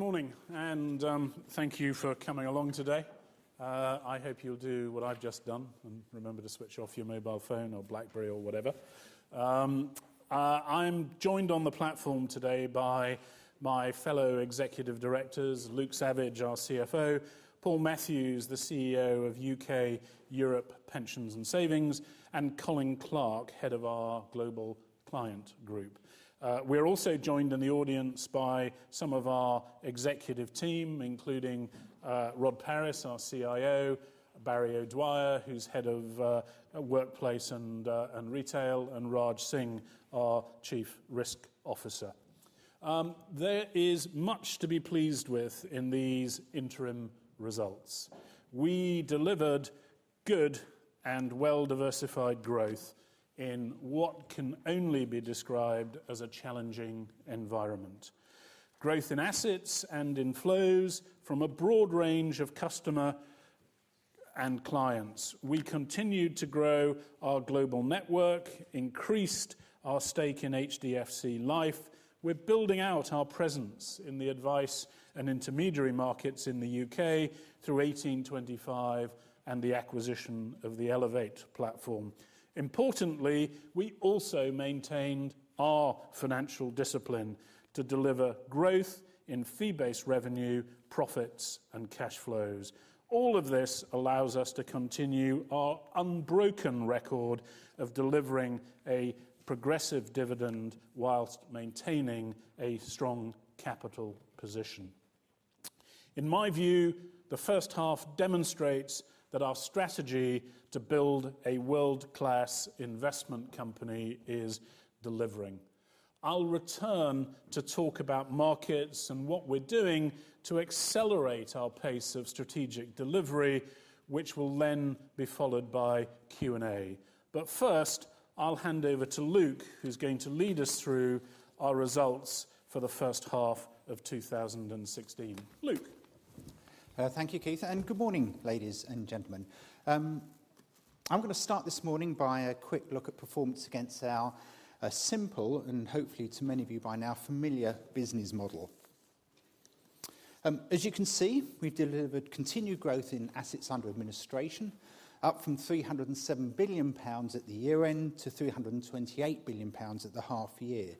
Good morning, thank you for coming along today. I hope you'll do what I've just done and remember to switch off your mobile phone or BlackBerry or whatever. I'm joined on the platform today by my fellow Executive Directors, Luke Savage, our CFO, Paul Matthews, the CEO of U.K. & Europe Pensions and Savings, and Colin Clark, Head of our Global Client Group. We are also joined in the audience by some of our executive team, including Rob Paris, our CIO, Barry O'Dwyer, who's Head of Workplace and Retail, and Raj Singh, our Chief Risk Officer. There is much to be pleased with in these interim results. We delivered good and well-diversified growth in what can only be described as a challenging environment. Growth in assets and inflows from a broad range of customer and clients. We continued to grow our global network, increased our stake in HDFC Life. We're building out our presence in the advice and intermediary markets in the U.K. through 1825 and the acquisition of the Elevate platform. Importantly, we also maintained our financial discipline to deliver growth in fee-based revenue, profits, and cash flows. All of this allows us to continue our unbroken record of delivering a progressive dividend while maintaining a strong capital position. In my view, the first half demonstrates that our strategy to build a world-class investment company is delivering. I'll return to talk about markets and what we're doing to accelerate our pace of strategic delivery, which will then be followed by Q&A. First, I'll hand over to Luke, who's going to lead us through our results for the first half of 2016. Luke. Thank you, Keith, good morning, ladies and gentlemen. I'm going to start this morning by a quick look at performance against our simple, and hopefully to many of you by now familiar, business model. As you can see, we delivered continued growth in assets under administration, up from 307 billion pounds at the year-end to 328 billion pounds at the half year.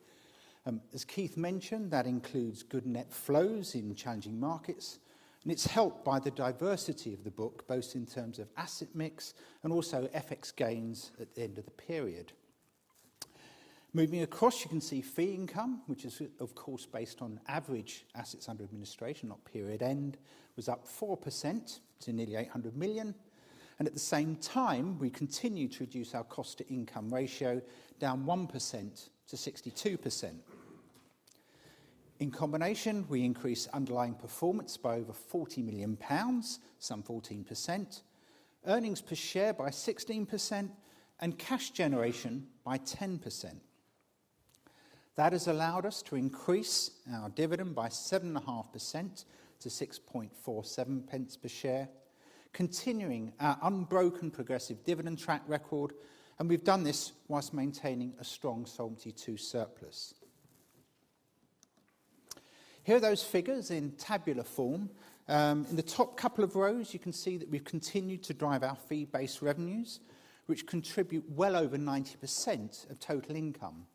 As Keith mentioned, that includes good net flows in challenging markets, and it's helped by the diversity of the book, both in terms of asset mix and also FX gains at the end of the period. Moving across, you can see fee income, which is of course based on average assets under administration, not period end, was up 4% to nearly 800 million. At the same time, we continued to reduce our cost-to-income ratio down 1% to 62%. In combination, we increased underlying performance by over 40 million pounds, some 14%, earnings per share by 16%, and cash generation by 10%. That has allowed us to increase our dividend by 7.5% to 0.0647 per share, continuing our unbroken progressive dividend track record, and we've done this while maintaining a strong Solvency II surplus. Here are those figures in tabular form. In the top couple of rows, you can see that we've continued to drive our fee-based revenues, which contribute well over 90% of total income.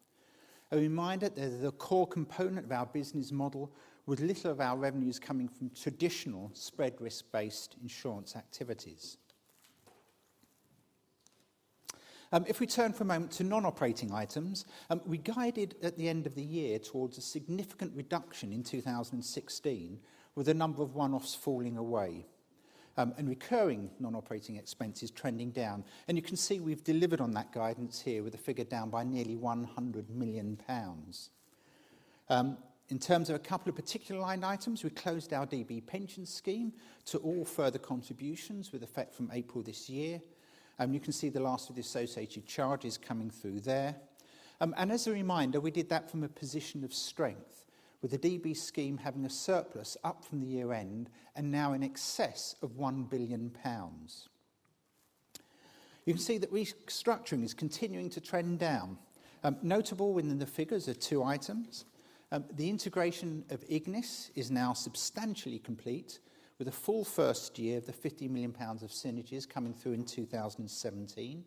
A reminder that they're the core component of our business model with little of our revenues coming from traditional spread risk-based insurance activities. If we turn for a moment to non-operating items, we guided at the end of the year towards a significant reduction in 2016 with a number of one-offs falling away, and recurring non-operating expenses trending down. You can see we've delivered on that guidance here with a figure down by nearly 100 million pounds. In terms of a couple of particular line items, we closed our DB pension scheme to all further contributions with effect from April this year. You can see the last of the associated charges coming through there. As a reminder, we did that from a position of strength with the DB scheme having a surplus up from the year-end and now in excess of 1 billion pounds. You can see that restructuring is continuing to trend down. Notable within the figures are two items. The integration of Ignis is now substantially complete with a full first year of the 50 million pounds of synergies coming through in 2017.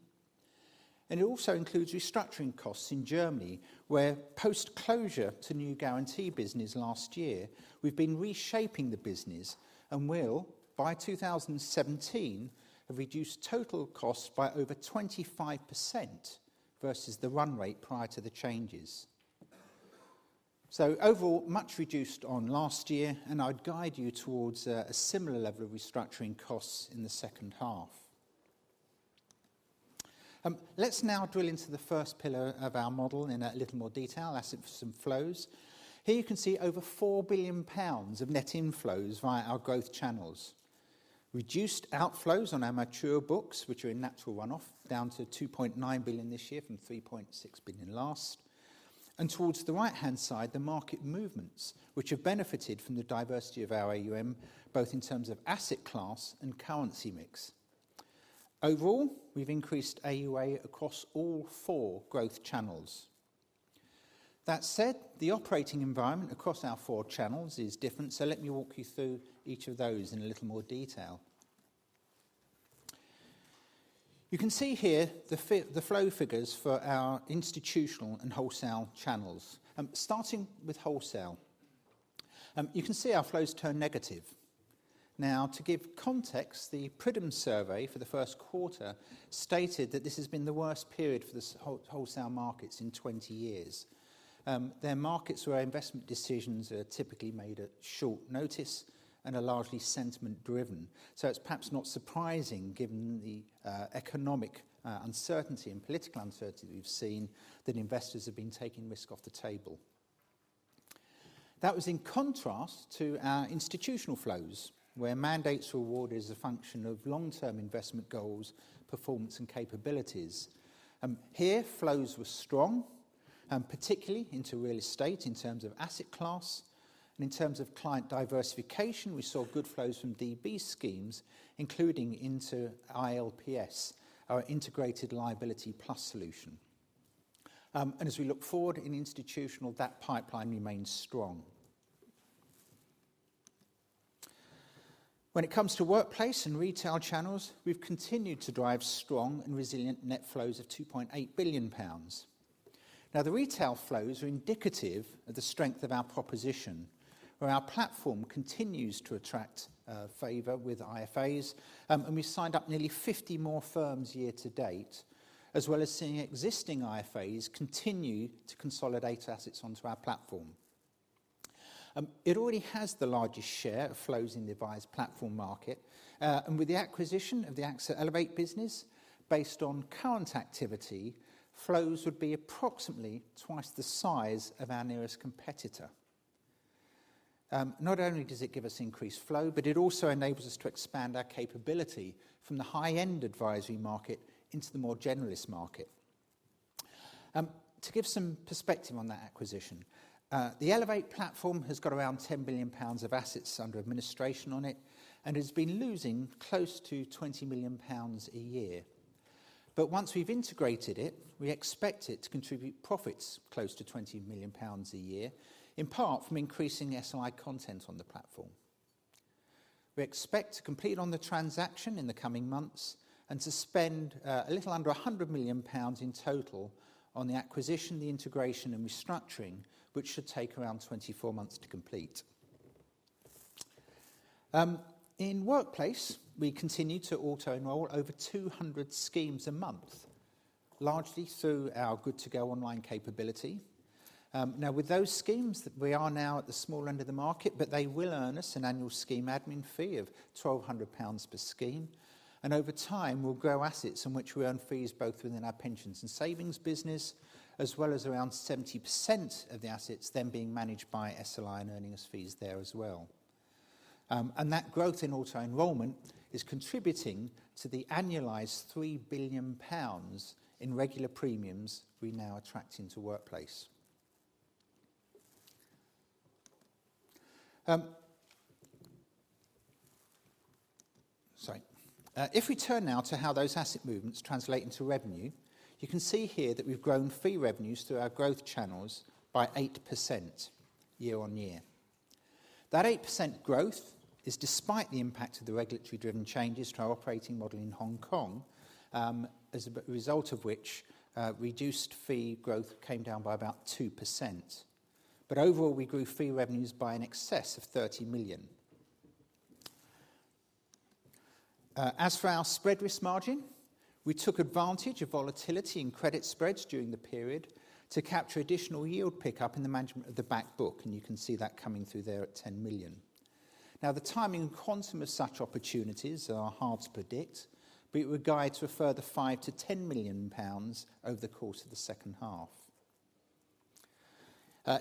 It also includes restructuring costs in Germany, where post-closure to new guarantee business last year, we've been reshaping the business and will, by 2017, have reduced total costs by over 25% versus the run rate prior to the changes. Overall, much reduced on last year, and I'd guide you towards a similar level of restructuring costs in the second half. Let's now drill into the first pillar of our model in a little more detail, assets and flows. Here you can see over 4 billion pounds of net inflows via our growth channels. Reduced outflows on our mature books, which are in natural run-off down to 2.9 billion this year from 3.6 billion last. Towards the right-hand side, the market movements, which have benefited from the diversity of our AUM, both in terms of asset class and currency mix. Overall, we've increased AUA across all 4 growth channels. That said, the operating environment across our 4 channels is different, so let me walk you through each of those in a little more detail. You can see here the flow figures for our institutional and wholesale channels. Starting with wholesale, you can see our flows turn negative. Now, to give context, the Pridham survey for the first quarter stated that this has been the worst period for the wholesale markets in 20 years. They're markets where investment decisions are typically made at short notice and are largely sentiment driven. It's perhaps not surprising given the economic uncertainty and political uncertainty we've seen that investors have been taking risk off the table. That was in contrast to our institutional flows, where mandates reward is a function of long-term investment goals, performance, and capabilities. Here, flows were strong, particularly into real estate in terms of asset class. In terms of client diversification, we saw good flows from DB schemes, including into ILPS, our Integrated Liability Plus solution. As we look forward in institutional, that pipeline remains strong. When it comes to workplace and retail channels, we've continued to drive strong and resilient net flows of 2.8 billion pounds. Now the retail flows are indicative of the strength of our proposition, where our platform continues to attract favor with IFAs, and we signed up nearly 50 more firms year to date, as well as seeing existing IFAs continue to consolidate assets onto our platform. It already has the largest share of flows in the advised platform market. With the acquisition of the AXA Elevate business, based on current activity, flows would be approximately twice the size of our nearest competitor. Not only does it give us increased flow, but it also enables us to expand our capability from the high-end advisory market into the more generalist market. To give some perspective on that acquisition. The Elevate platform has got around 10 billion pounds of assets under administration on it and has been losing close to 20 million pounds a year. Once we've integrated it, we expect it to contribute profits close to 20 million pounds a year, in part from increasing SLI content on the platform. We expect to complete on the transaction in the coming months and to spend a little under 100 million pounds in total on the acquisition, the integration, and restructuring, which should take around 24 months to complete. In workplace, we continue to auto enroll over 200 schemes a month, largely through our good to go online capability. With those schemes, we are now at the small end of the market, but they will earn us an annual scheme admin fee of 1,200 pounds per scheme. Over time, we'll grow assets in which we earn fees both within our pensions and savings business, as well as around 70% of the assets then being managed by SLI and earning us fees there as well. That growth in auto enrollment is contributing to the annualized 3 billion pounds in regular premiums we now attract into workplace. Sorry. If we turn now to how those asset movements translate into revenue, you can see here that we've grown fee revenues through our growth channels by 8% year-on-year. That 8% growth is despite the impact of the regulatory driven changes to our operating model in Hong Kong, as a result of which reduced fee growth came down by about 2%. Overall, we grew fee revenues by in excess of 30 million. As for our spread risk margin, we took advantage of volatility in credit spreads during the period to capture additional yield pickup in the management of the back book, and you can see that coming through there at 10 million. The timing and quantum of such opportunities are hard to predict, but it would guide to a further 5 million-10 million pounds over the course of the second half.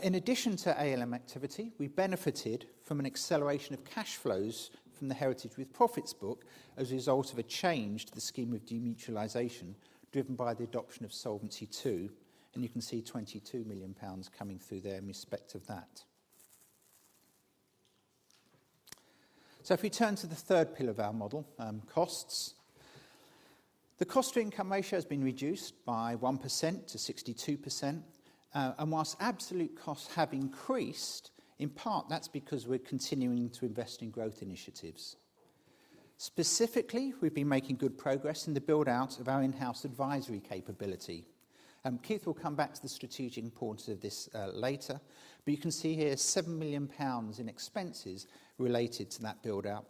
In addition to ALM activity, we benefited from an acceleration of cash flows from the heritage with profits book as a result of a change to the scheme of demutualization driven by the adoption of Solvency II, and you can see 22 million pounds coming through there in respect of that. If we turn to the third pillar of our model, costs. The cost to income ratio has been reduced by 1% to 62%, and whilst absolute costs have increased, in part that's because we're continuing to invest in growth initiatives. Specifically, we've been making good progress in the build-out of our in-house advisory capability. Keith will come back to the strategic importance of this later. You can see here 7 million pounds in expenses related to that build-out.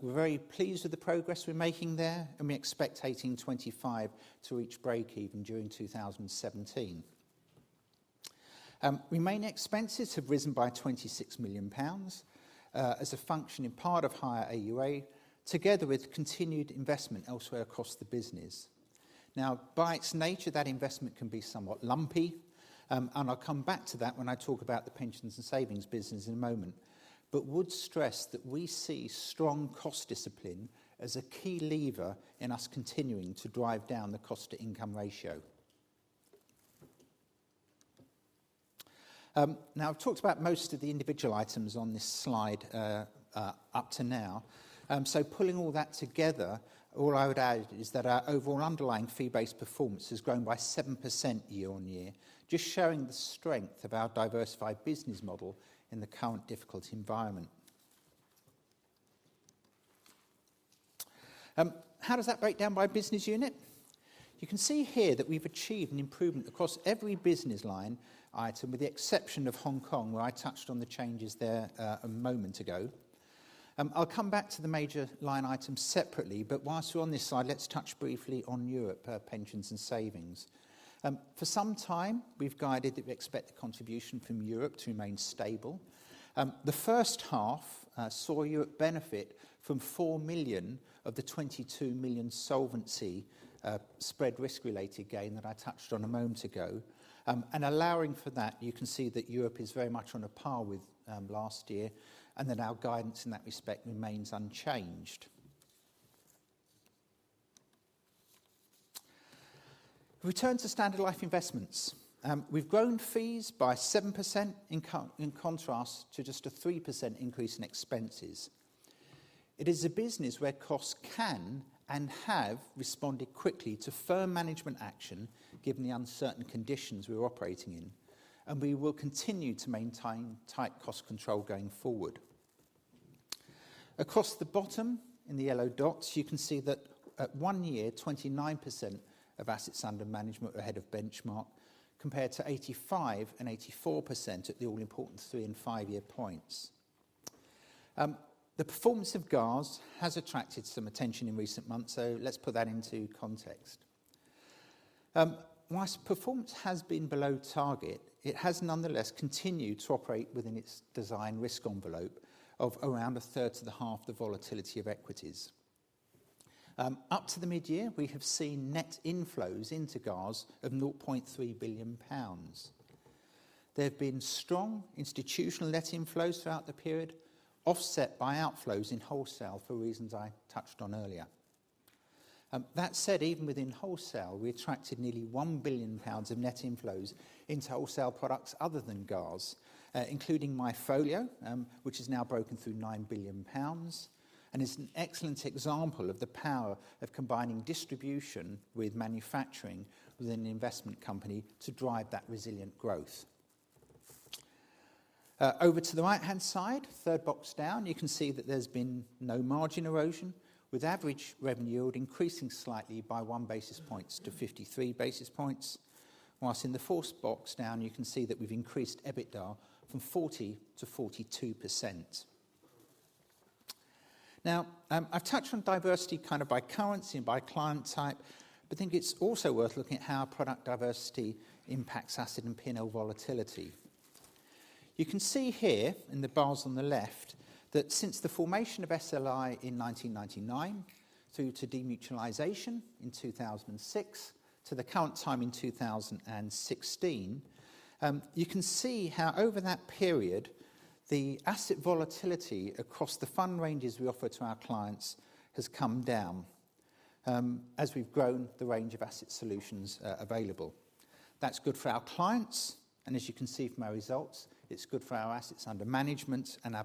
We're very pleased with the progress we're making there, and we expect 1825 to reach breakeven during 2017. Remaining expenses have risen by 26 million pounds, as a function in part of higher AUA, together with continued investment elsewhere across the business. By its nature, that investment can be somewhat lumpy, and I'll come back to that when I talk about the pensions and savings business in a moment, but would stress that we see strong cost discipline as a key lever in us continuing to drive down the cost to income ratio. I've talked about most of the individual items on this slide up to now. Pulling all that together, all I would add is that our overall underlying fee-based performance has grown by 7% year-over-year, just showing the strength of our diversified business model in the current difficult environment. How does that break down by business unit? You can see here that we've achieved an improvement across every business line item with the exception of Hong Kong, where I touched on the changes there a moment ago. I'll come back to the major line items separately, but whilst we're on this slide, let's touch briefly on Europe pensions and savings. For some time, we've guided that we expect the contribution from Europe to remain stable. The first half saw Europe benefit from 4 million of the 22 million solvency spread risk related gain that I touched on a moment ago. Allowing for that, you can see that Europe is very much on a par with last year, and that our guidance in that respect remains unchanged. Returning to Standard Life Investments. We've grown fees by 7% in contrast to just a 3% increase in expenses. It is a business where costs can and have responded quickly to firm management action given the uncertain conditions we're operating in. We will continue to maintain tight cost control going forward. Across the bottom in the yellow dots, you can see that at one-year, 29% of assets under management are ahead of benchmark, compared to 85% and 84% at the all-important three- and five-year points. The performance of GARS has attracted some attention in recent months, let's put that into context. Whilst performance has been below target, it has nonetheless continued to operate within its design risk envelope of around a third to the half the volatility of equities. Up to the mid-year, we have seen net inflows into GARS of 0.3 billion pounds. There have been strong institutional net inflows throughout the period, offset by outflows in wholesale for reasons I touched on earlier. That said, even within wholesale, we attracted nearly 1 billion pounds of net inflows into wholesale products other than GARS, including MyFolio, which has now broken through 9 billion pounds, is an excellent example of the power of combining distribution with manufacturing within an investment company to drive that resilient growth. Over to the right-hand side, third box down, you can see that there's been no margin erosion, with average revenue yield increasing slightly by one basis point to 53 basis points. Whilst in the fourth box down, you can see that we've increased EBITDA from 40% to 42%. I've touched on diversity by currency and by client type, but I think it's also worth looking at how product diversity impacts asset and P&L volatility. You can see here in the bars on the left that since the formation of SLI in 1999, through to demutualization in 2006, to the current time in 2016, you can see how over that period, the asset volatility across the fund ranges we offer to our clients has come down as we've grown the range of asset solutions available. That's good for our clients, and as you can see from our results, it's good for our assets under management and our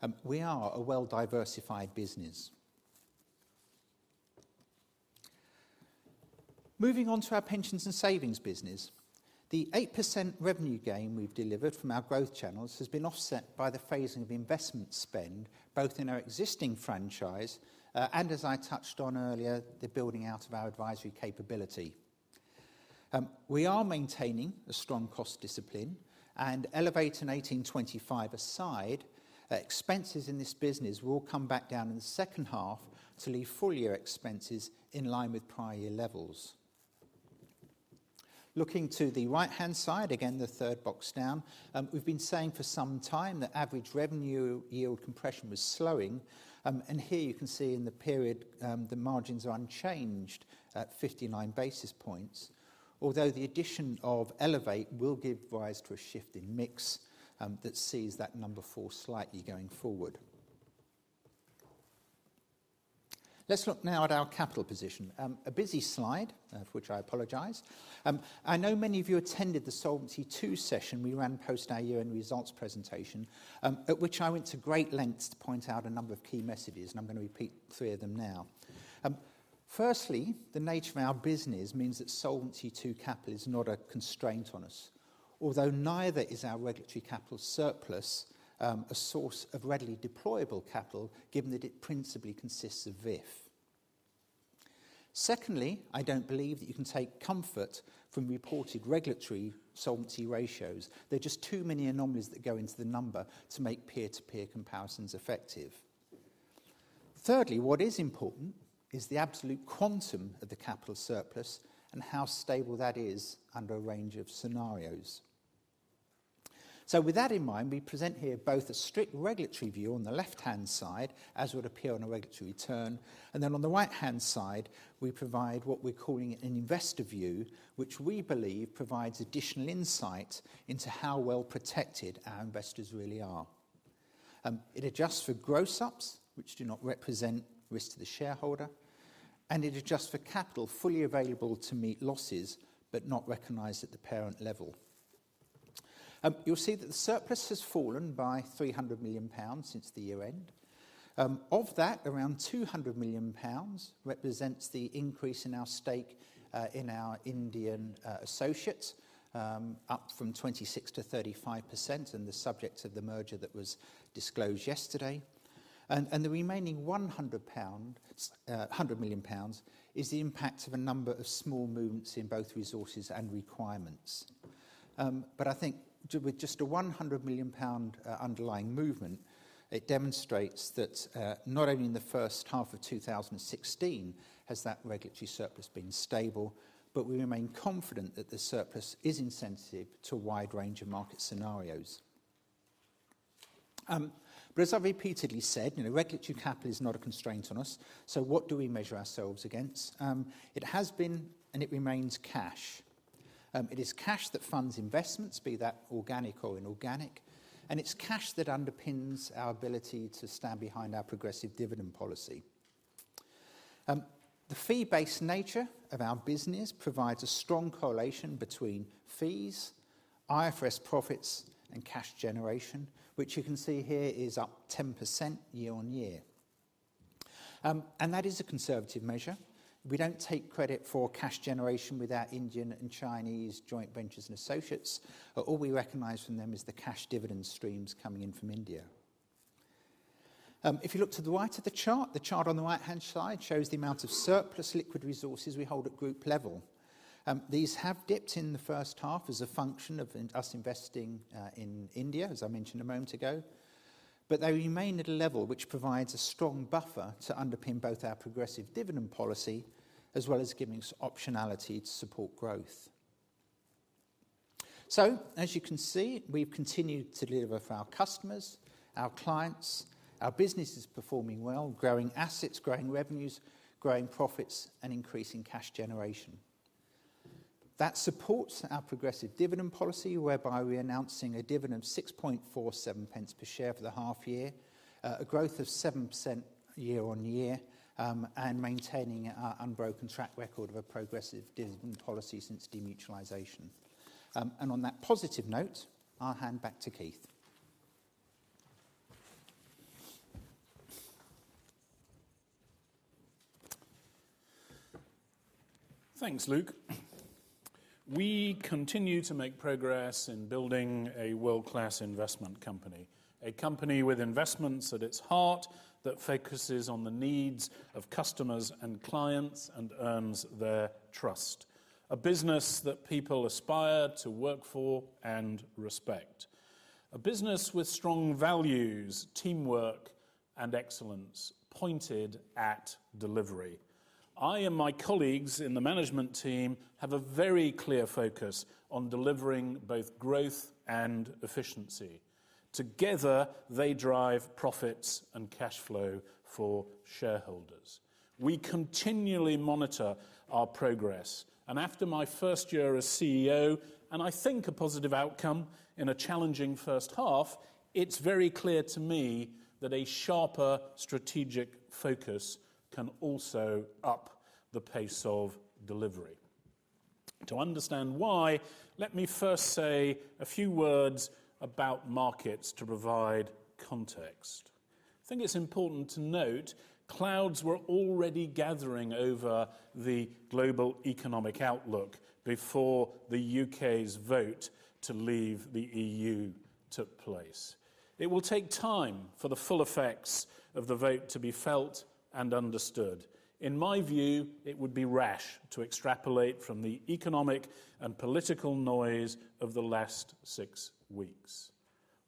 P&L. We are a well-diversified business. Moving on to our pensions and savings business. The 8% revenue gain we've delivered from our growth channels has been offset by the phasing of investment spend, both in our existing franchise, and as I touched on earlier, the building out of our advisory capability. We are maintaining a strong cost discipline. Elevate and 1825 aside, expenses in this business will come back down in the second half to leave full-year expenses in line with prior year levels. Looking to the right-hand side, again the third box down, we've been saying for some time that average revenue yield compression was slowing. Here you can see in the period, the margins are unchanged at 59 basis points. Although the addition of Elevate will give rise to a shift in mix that sees that number fall slightly going forward. Let's look now at our capital position. A busy slide, for which I apologize. I know many of you attended the Solvency II session we ran post our year-end results presentation, at which I went to great lengths to point out a number of key messages, and I'm going to repeat three of them now. Firstly, the nature of our business means that Solvency II capital is not a constraint on us. Although neither is our regulatory capital surplus a source of readily deployable capital, given that it principally consists of VIF. Secondly, I don't believe that you can take comfort from reported regulatory solvency ratios. There are just too many anomalies that go into the number to make peer-to-peer comparisons effective. Thirdly, what is important is the absolute quantum of the capital surplus and how stable that is under a range of scenarios. With that in mind, we present here both a strict regulatory view on the left-hand side, as would appear on a regulatory return. Then on the right-hand side, we provide what we're calling an investor view, which we believe provides additional insight into how well protected our investors really are. It adjusts for gross ups, which do not represent risk to the shareholder, and it adjusts for capital fully available to meet losses, but not recognized at the parent level. You'll see that the surplus has fallen by 300 million pounds since the year-end. Of that, around 200 million pounds represents the increase in our stake in our Indian associates, up from 26% to 35%, and the subject of the merger that was disclosed yesterday. The remaining 100 million pounds is the impact of a number of small movements in both resources and requirements. I think with just a 100 million pound underlying movement, it demonstrates that not only in the first half of 2016 has that regulatory surplus been stable, but we remain confident that the surplus is insensitive to a wide range of market scenarios. As I've repeatedly said, regulatory capital is not a constraint on us, what do we measure ourselves against? It has been and it remains cash. It is cash that funds investments, be that organic or inorganic, and it's cash that underpins our ability to stand behind our progressive dividend policy. The fee-based nature of our business provides a strong correlation between fees, IFRS profits, and cash generation, which you can see here is up 10% year-over-year. That is a conservative measure. We don't take credit for cash generation with our Indian and Chinese joint ventures and associates. All we recognize from them is the cash dividend streams coming in from India. If you look to the right of the chart, the chart on the right-hand side shows the amount of surplus liquid resources we hold at group level. These have dipped in the first half as a function of us investing in India, as I mentioned a moment ago. They remain at a level which provides a strong buffer to underpin both our progressive dividend policy, as well as giving us optionality to support growth. As you can see, we've continued to deliver for our customers, our clients. Our business is performing well, growing assets, growing revenues, growing profits, and increasing cash generation. That supports our progressive dividend policy, whereby we're announcing a dividend of 0.0647 per share for the half year, a growth of 7% year-over-year, and maintaining our unbroken track record of a progressive dividend policy since demutualization. On that positive note, I'll hand back to Keith. Thanks, Luke. We continue to make progress in building a world-class investment company. A company with investments at its heart that focuses on the needs of customers and clients and earns their trust. A business that people aspire to work for and respect. A business with strong values, teamwork, and excellence pointed at delivery. I and my colleagues in the management team have a very clear focus on delivering both growth and efficiency. Together, they drive profits and cash flow for shareholders. We continually monitor our progress, and after my first year as CEO, and I think a positive outcome in a challenging first half, it's very clear to me that a sharper strategic focus can also up the pace of delivery. To understand why, let me first say a few words about markets to provide context. I think it's important to note clouds were already gathering over the global economic outlook before the U.K.'s vote to leave the EU took place. It will take time for the full effects of the vote to be felt and understood. In my view, it would be rash to extrapolate from the economic and political noise of the last six weeks.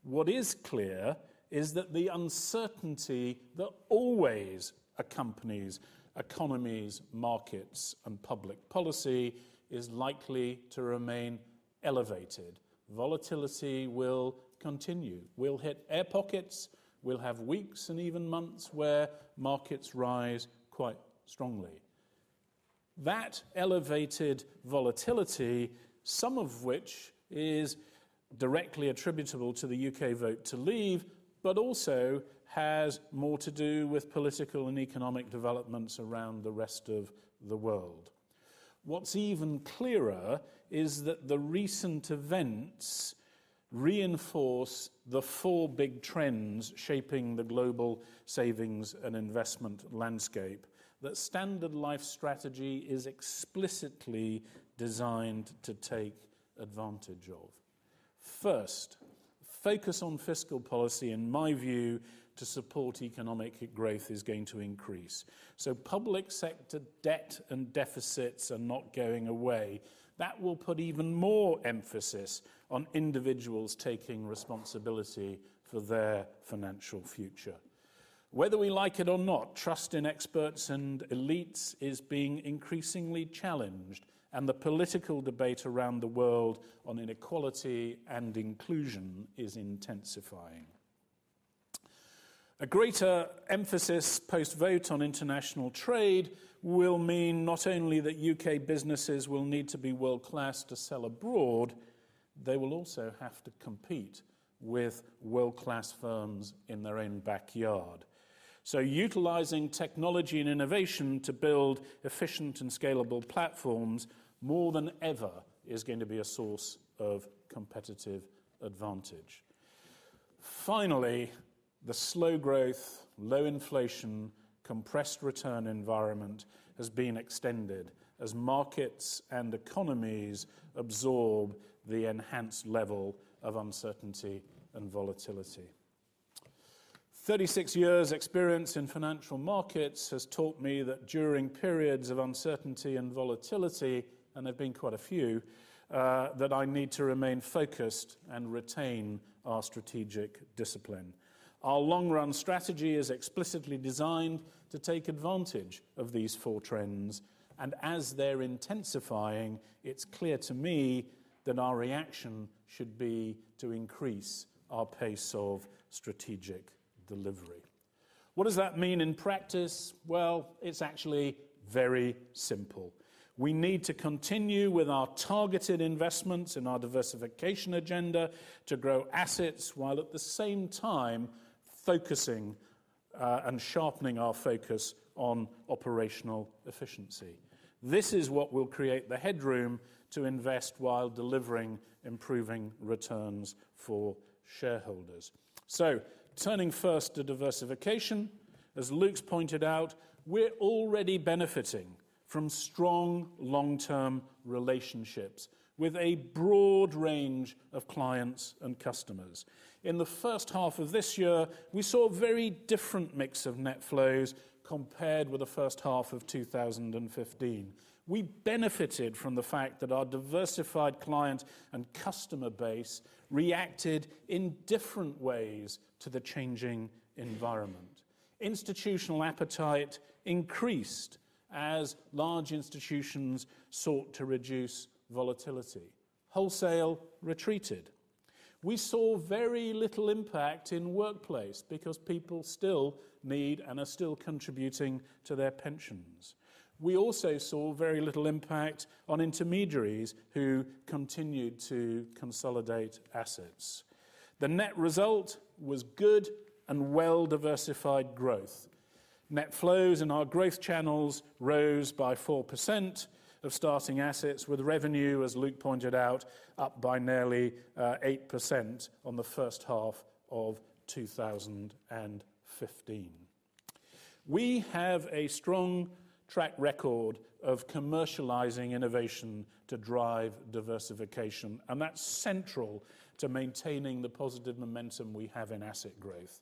What is clear is that the uncertainty that always accompanies economies, markets, and public policy is likely to remain elevated. Volatility will continue. We'll hit air pockets. We'll have weeks and even months where markets rise quite strongly. That elevated volatility, some of which is directly attributable to the U.K. vote to leave, but also has more to do with political and economic developments around the rest of the world. What's even clearer is that the recent events reinforce the four big trends shaping the global savings and investment landscape that Standard Life Strategy is explicitly designed to take advantage of. First, focus on fiscal policy, in my view, to support economic growth is going to increase. Public sector debt and deficits are not going away. That will put even more emphasis on individuals taking responsibility for their financial future. Whether we like it or not, trust in experts and elites is being increasingly challenged, and the political debate around the world on inequality and inclusion is intensifying. A greater emphasis post-vote on international trade will mean not only that U.K. businesses will need to be world-class to sell abroad, they will also have to compete with world-class firms in their own backyard. Utilizing technology and innovation to build efficient and scalable platforms, more than ever, is going to be a source of competitive advantage. Finally, the slow growth, low inflation, compressed return environment has been extended as markets and economies absorb the enhanced level of uncertainty and volatility. 36 years experience in financial markets has taught me that during periods of uncertainty and volatility, and there have been quite a few, that I need to remain focused and retain our strategic discipline. Our long-run strategy is explicitly designed to take advantage of these four trends, and as they're intensifying, it's clear to me that our reaction should be to increase our pace of strategic delivery. What does that mean in practice? Well, it's actually very simple. We need to continue with our targeted investments and our diversification agenda to grow assets while at the same time focusing and sharpening our focus on operational efficiency. This is what will create the headroom to invest while delivering improving returns for shareholders. Turning first to diversification, as Luke's pointed out, we're already benefiting from strong long-term relationships with a broad range of clients and customers. In the first half of this year, we saw a very different mix of net flows compared with the first half of 2015. We benefited from the fact that our diversified client and customer base reacted in different ways to the changing environment. Institutional appetite increased as large institutions sought to reduce volatility. Wholesale retreated. We saw very little impact in workplace because people still need and are still contributing to their pensions. We also saw very little impact on intermediaries who continued to consolidate assets. The net result was good and well-diversified growth. Net flows in our growth channels rose by 4% of starting assets with revenue, as Luke pointed out, up by nearly 8% on the first half of 2015. We have a strong track record of commercializing innovation to drive diversification, and that's central to maintaining the positive momentum we have in asset growth.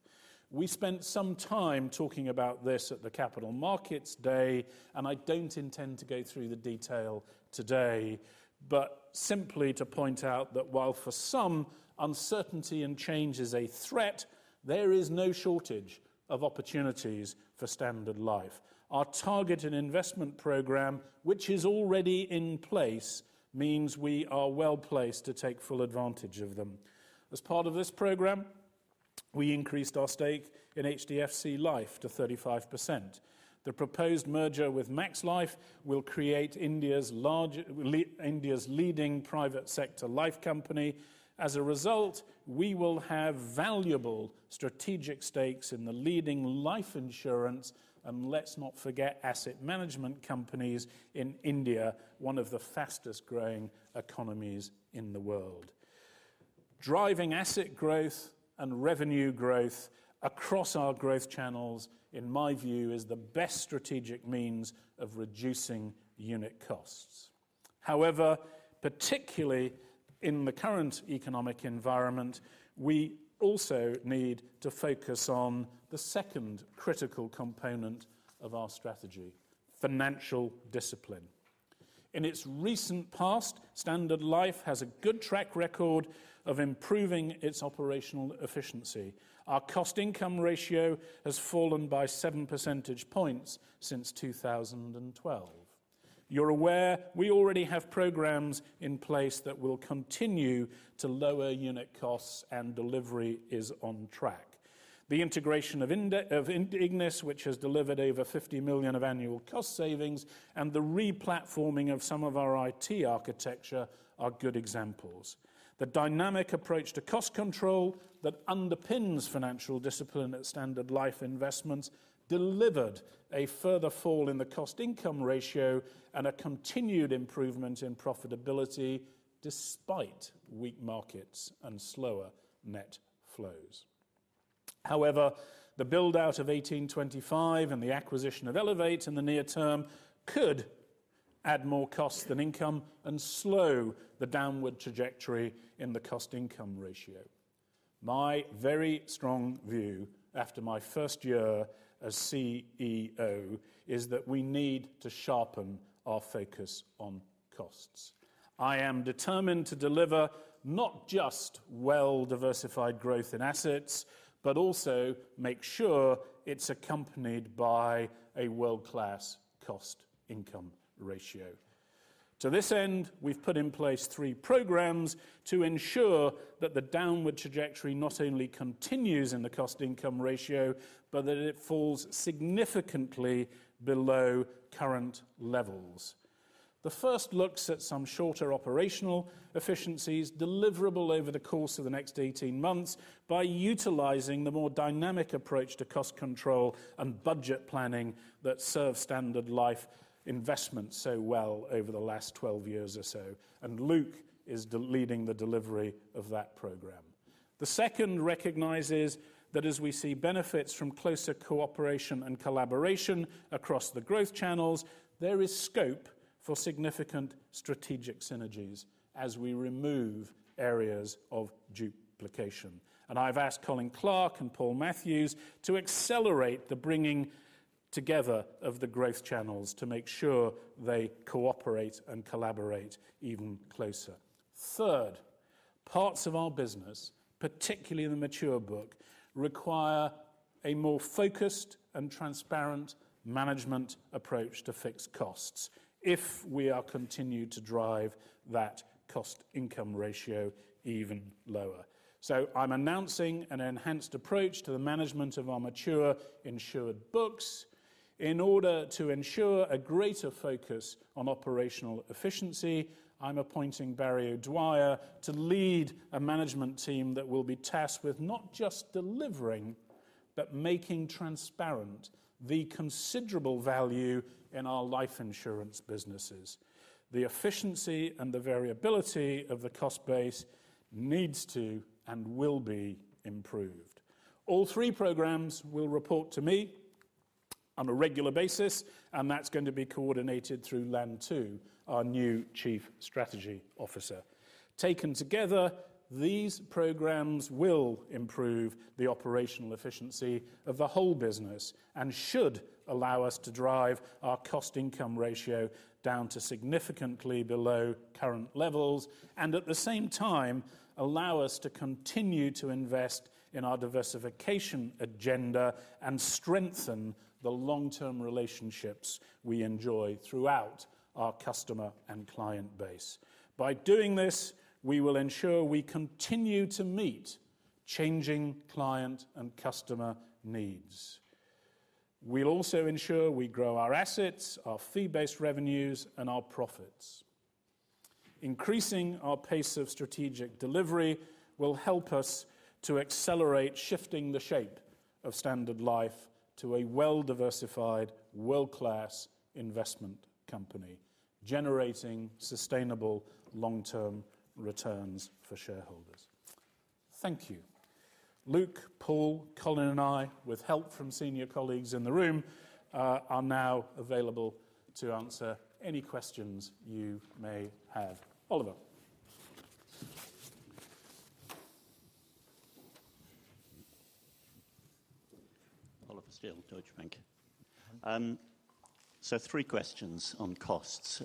We spent some time talking about this at the Capital Markets Day, and I don't intend to go through the detail today, but simply to point out that while for some uncertainty and change is a threat, there is no shortage of opportunities for Standard Life. Our targeted investment program, which is already in place, means we are well-placed to take full advantage of them. As part of this program, we increased our stake in HDFC Life to 35%. The proposed merger with Max Life will create India's leading private sector life company. As a result, we will have valuable strategic stakes in the leading life insurance, and let's not forget, asset management companies in India, one of the fastest growing economies in the world. Driving asset growth and revenue growth across our growth channels, in my view, is the best strategic means of reducing unit costs. Particularly in the current economic environment, we also need to focus on the second critical component of our strategy, financial discipline. In its recent past, Standard Life has a good track record of improving its operational efficiency. Our cost-income ratio has fallen by 7% points since 2012. You are aware we already have programs in place that will continue to lower unit costs, and delivery is on track. The integration of Ignis, which has delivered over 50 million of annual cost savings, and the re-platforming of some of our IT architecture are good examples. The dynamic approach to cost control that underpins financial discipline at Standard Life Investments delivered a further fall in the cost-income ratio and a continued improvement in profitability despite weak markets and slower net flows. The build-out of 1825 and the acquisition of Elevate in the near term could add more cost than income and slow the downward trajectory in the cost-income ratio. My very strong view after my first year as CEO is that we need to sharpen our focus on costs. I am determined to deliver not just well-diversified growth in assets, but also make sure it's accompanied by a world-class cost-income ratio. To this end, we've put in place three programs to ensure that the downward trajectory not only continues in the cost-income ratio, but that it falls significantly below current levels. The first looks at some shorter operational efficiencies deliverable over the course of the next 18 months by utilizing the more dynamic approach to cost control and budget planning that serves Standard Life Investments so well over the last 12 years or so. Luke is leading the delivery of that program. The second recognizes that as we see benefits from closer cooperation and collaboration across the growth channels, there is scope for significant strategic synergies as we remove areas of duplication. I've asked Colin Clark and Paul Matthews to accelerate the bringing together of the growth channels to make sure they cooperate and collaborate even closer. Third, parts of our business, particularly in the mature book, require a more focused and transparent management approach to fixed costs if we are continue to drive that cost income ratio even lower. I'm announcing an enhanced approach to the management of our mature insured books. In order to ensure a greater focus on operational efficiency, I'm appointing Barry O'Dwyer to lead a management team that will be tasked with not just delivering, but making transparent the considerable value in our life insurance businesses. The efficiency and the variability of the cost base needs to and will be improved. All three programs will report to me on a regular basis, that's going to be coordinated through Lan Tu, our new Chief Strategy Officer. Taken together, these programs will improve the operational efficiency of the whole business and should allow us to drive our cost-income ratio down to significantly below current levels, at the same time, allow us to continue to invest in our diversification agenda and strengthen the long-term relationships we enjoy throughout our customer and client base. By doing this, we will ensure we continue to meet changing client and customer needs. We'll also ensure we grow our assets, our fee-based revenues, and our profits. Increasing our pace of strategic delivery will help us to accelerate shifting the shape of Standard Life to a well-diversified, world-class investment company, generating sustainable long-term returns for shareholders. Thank you. Luke, Paul, Colin, and I, with help from senior colleagues in the room, are now available to answer any questions you may have. Oliver. Oliver Steel, Deutsche Bank. Three questions on costs.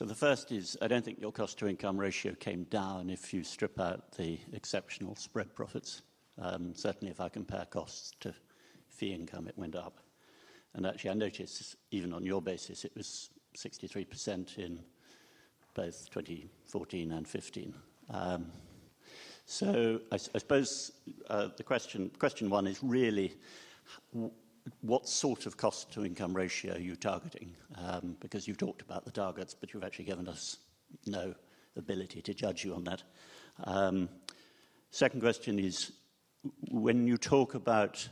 The first is, I don't think your cost-to-income ratio came down if you strip out the exceptional spread profits. Certainly, if I compare costs to fee income, it went up. Actually, I noticed even on your basis, it was 63% in both 2014 and 2015. I suppose question one is really what sort of cost-to-income ratio are you targeting? Because you've talked about the targets, but you've actually given us no ability to judge you on that. Second question is, when you talk about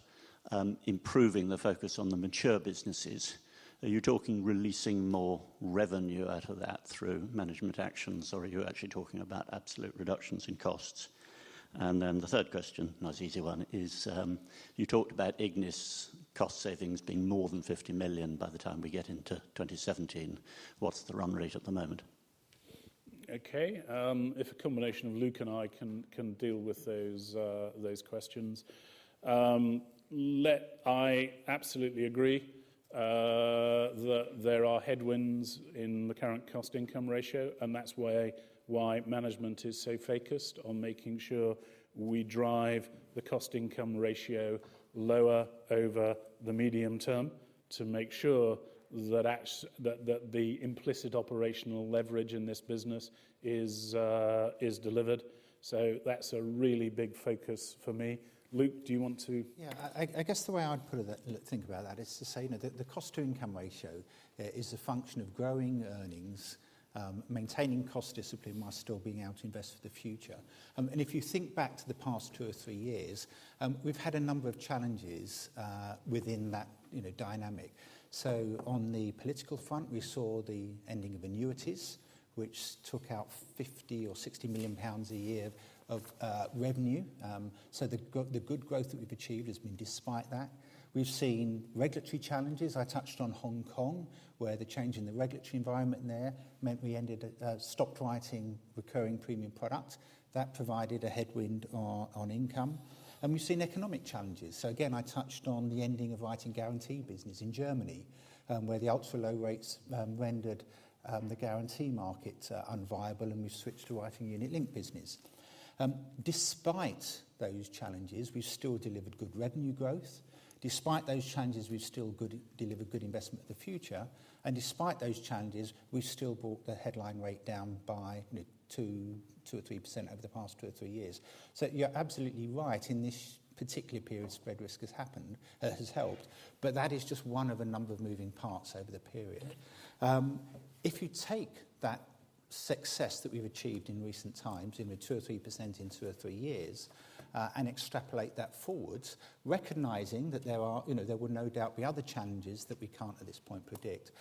improving the focus on the mature businesses, are you talking releasing more revenue out of that through management actions, or are you actually talking about absolute reductions in costs? The third question, nice easy one, is you talked about Ignis cost savings being more than 50 million by the time we get into 2017. What's the run rate at the moment? Okay. If a combination of Luke and I can deal with those questions. I absolutely agree that there are headwinds in the current cost-income ratio, and that's why management is so focused on making sure we drive the cost-income ratio lower over the medium term to make sure that the implicit operational leverage in this business is delivered. That's a really big focus for me. Luke, do you want to Yeah. I guess the way I'd put it, think about that is to say that the cost-to-income ratio is a function of growing earnings, maintaining cost discipline while still being able to invest for the future. If you think back to the past 2 or 3 years, we've had a number of challenges within that dynamic. On the political front, we saw the ending of annuities, which took out 50 million or 60 million pounds a year of revenue. The good growth that we've achieved has been despite that. We've seen regulatory challenges. I touched on Hong Kong, where the change in the regulatory environment there meant we stopped writing recurring premium product. That provided a headwind on income. We've seen economic challenges. Again, I touched on the ending of writing guarantee business in Germany, where the ultra low rates rendered the guarantee market unviable, and we've switched to writing unit-linked business. Despite those challenges, we've still delivered good revenue growth. Despite those challenges, we've still delivered good investment for the future. Despite those challenges, we've still brought the headline rate down by 2% or 3% over the past 2 or 3 years. You're absolutely right, in this particular period, spread risk has helped. That is just one of a number of moving parts over the period. If you take that success that we've achieved in recent times, 2% or 3% in 2 or 3 years, and extrapolate that forwards, recognizing that there will no doubt be other challenges that we can't at this point predict.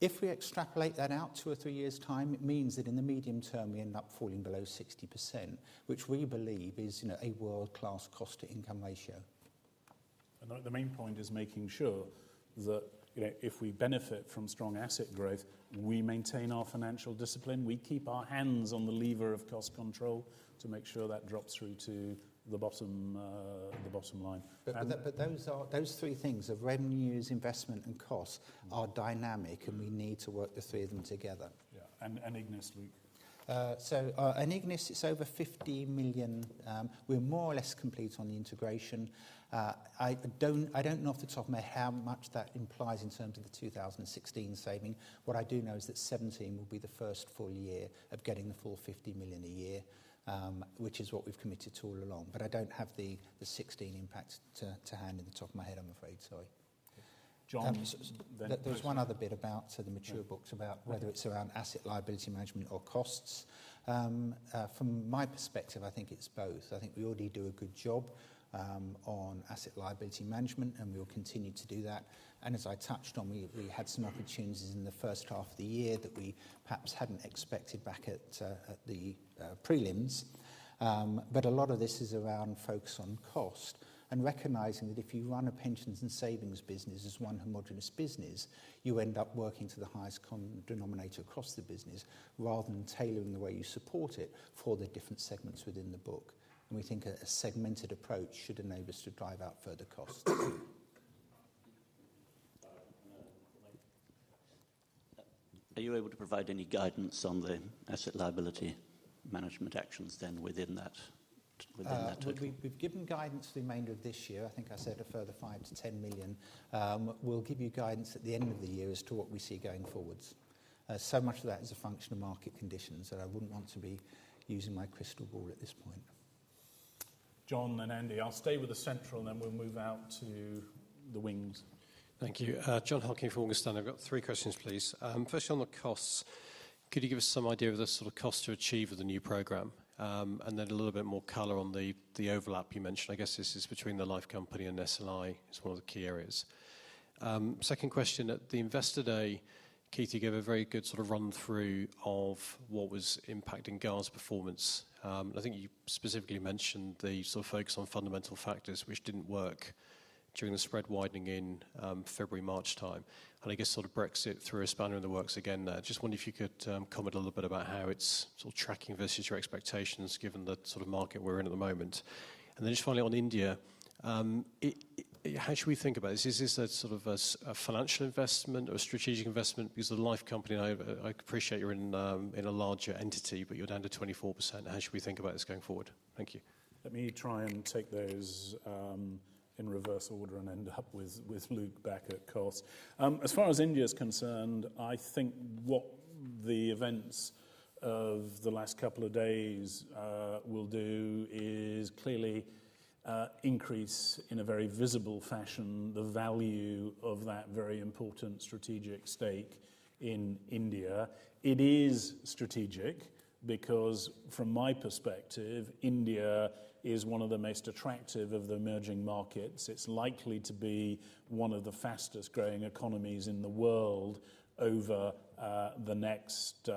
If we extrapolate that out 2 or 3 years' time, it means that in the medium term, we end up falling below 60%, which we believe is a world-class cost-to-income ratio. The main point is making sure that if we benefit from strong asset growth, we maintain our financial discipline, we keep our hands on the lever of cost control to make sure that drops through to the bottom line. Those three things of revenues, investment, and cost are dynamic, and we need to work the three of them together. Yeah. Ignis, Luke. Ignis, it's over 50 million. We're more or less complete on the integration. I don't know off the top of my how much that implies in terms of the 2016 saving. What I do know is that 2017 will be the first full year of getting the full 50 million a year, which is what we've committed to all along. I don't have the 2016 impact to hand in the top of my head, I'm afraid. Sorry. John. There's one other bit about the mature books, about whether it's around asset liability management or costs. From my perspective, I think it's both. I think we already do a good job on asset liability management, and we'll continue to do that. As I touched on, we had some opportunities in the first half of the year that we perhaps hadn't expected back at the prelims. A lot of this is around focus on cost and recognizing that if you run a pensions and savings business as one homogenous business, you end up working to the highest common denominator across the business rather than tailoring the way you support it for the different segments within the book. We think a segmented approach should enable us to drive out further costs. Mike. Are you able to provide any guidance on the asset liability management actions then within that total? We've given guidance for the remainder of this year. I think I said a further 5 million-10 million. We'll give you guidance at the end of the year as to what we see going forwards. Much of that is a function of market conditions that I wouldn't want to be using my crystal ball at this point. John, then Andy. I'll stay with the central, then we'll move out to the wings. Thank you. John Hulke from Augustine. I have got three questions, please. First on the costs, could you give us some idea of the sort of cost to achieve with the new program? Then a little bit more color on the overlap you mentioned. I guess this is between the life company and SLI as one of the key areas. Second question, at the investor day, Katie gave a very good sort of run through of what was impacting Gars' performance. I think you specifically mentioned the sort of focus on fundamental factors which did not work during the spread widening in February, March time. I guess sort of Brexit threw a spanner in the works again there. Just wondering if you could comment a little bit about how it is sort of tracking versus your expectations, given the sort of market we are in at the moment. Then just finally on India, how should we think about this? Is this a sort of a financial investment or a strategic investment because of the life company? I appreciate you are in a larger entity, but you are down to 24%. How should we think about this going forward? Thank you. Let me try and take those in reverse order and end up with Luke back at costs. As far as India is concerned, I think what the events of the last couple of days will do is clearly increase, in a very visible fashion, the value of that very important strategic stake in India. It is strategic because from my perspective, India is one of the most attractive of the emerging markets. It is likely to be one of the fastest growing economies in the world over the next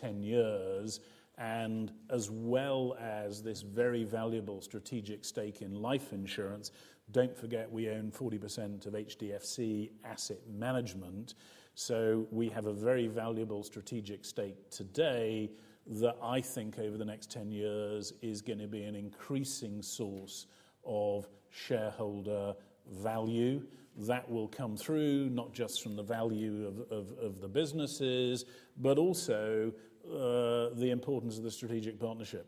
10 years. As well as this very valuable strategic stake in life insurance, do not forget we own 40% of HDFC Asset Management. We have a very valuable strategic stake today that I think over the next 10 years is going to be an increasing source of shareholder value. That will come through not just from the value of the businesses, but also the importance of the strategic partnership.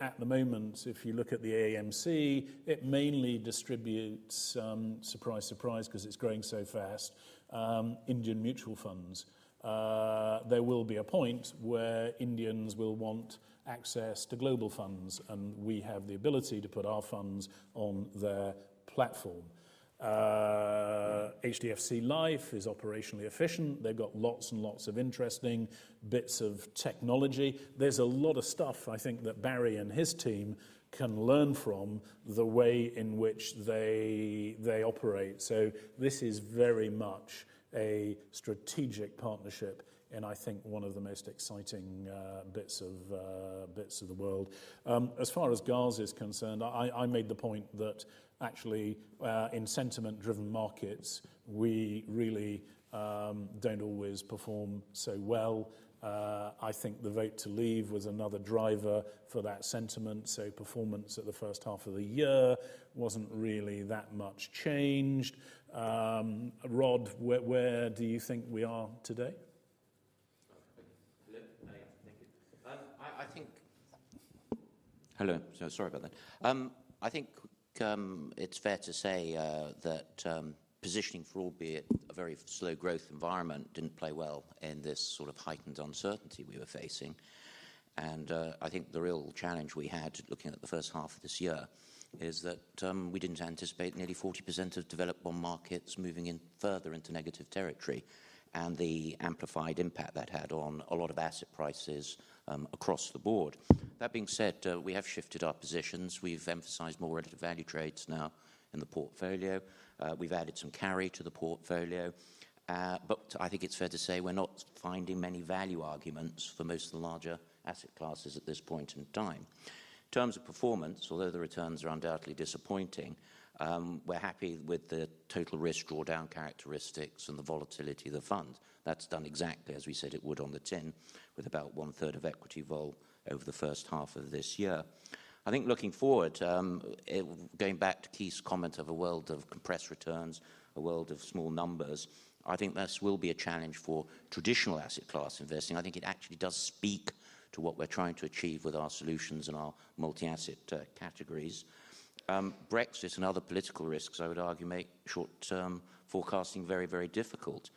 At the moment, if you look at the AMC, it mainly distributes, surprise, because it is growing so fast, Indian mutual funds. There will be a point where Indians will want access to global funds, and we have the ability to put our funds on their platform. HDFC Life is operationally efficient. They have got lots and lots of interesting bits of technology. There is a lot of stuff I think that Barry and his team can learn from the way in which they operate. This is very much a strategic partnership in I think one of the most exciting bits of the world. As far as Gars' is concerned, I made the point that actually, in sentiment-driven markets, we really do not always perform so well. I think the vote to leave was another driver for that sentiment. Performance at the first half of the year wasn't really that much changed. Rob, where do you think we are today? Hello. Sorry about that. I think it's fair to say that positioning for, albeit a very slow growth environment, didn't play well in this sort of heightened uncertainty we were facing. I think the real challenge we had, looking at the first half of this year, is that we didn't anticipate nearly 40% of developed bond markets moving further into negative territory and the amplified impact that had on a lot of asset prices across the board. That being said, we have shifted our positions. We've emphasized more relative value trades now in the portfolio. We've added some carry to the portfolio. I think it's fair to say we're not finding many value arguments for most of the larger asset classes at this point in time. In terms of performance, although the returns are undoubtedly disappointing, we're happy with the total risk drawdown characteristics and the volatility of the fund. That's done exactly as we said it would on the tin, with about one-third of equity vol over the first half of this year. I think looking forward, going back to Keith's comment of a world of compressed returns, a world of small numbers, I think this will be a challenge for traditional asset class investing. I think it actually does speak to what we're trying to achieve with our solutions and our multi-asset categories. Brexit and other political risks, I would argue, make short-term forecasting very, very difficult.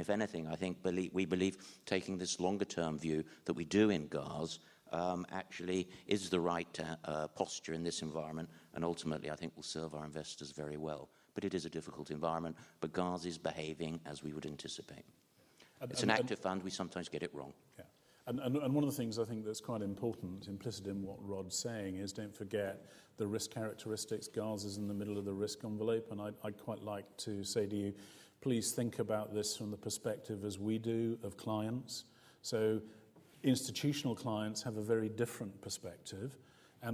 If anything, I think we believe taking this longer-term view that we do in GARS actually is the right posture in this environment, and ultimately, I think will serve our investors very well. It is a difficult environment, but GARS is behaving as we would anticipate. It's an active fund. We sometimes get it wrong. Yeah. One of the things I think that's quite important, implicit in what Rob's saying is, don't forget the risk characteristics. GARS is in the middle of the risk envelope, I'd quite like to say to you, please think about this from the perspective as we do of clients. Institutional clients have a very different perspective,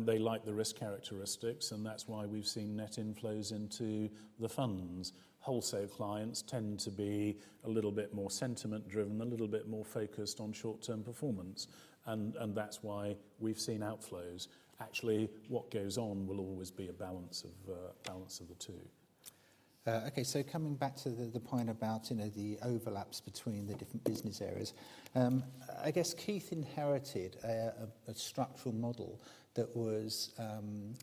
they like the risk characteristics, that's why we've seen net inflows into the funds. Wholesale clients tend to be a little bit more sentiment driven, a little bit more focused on short-term performance, that's why we've seen outflows. Actually, what goes on will always be a balance of the two. Okay, coming back to the point about the overlaps between the different business areas. I guess Keith inherited a structural model that was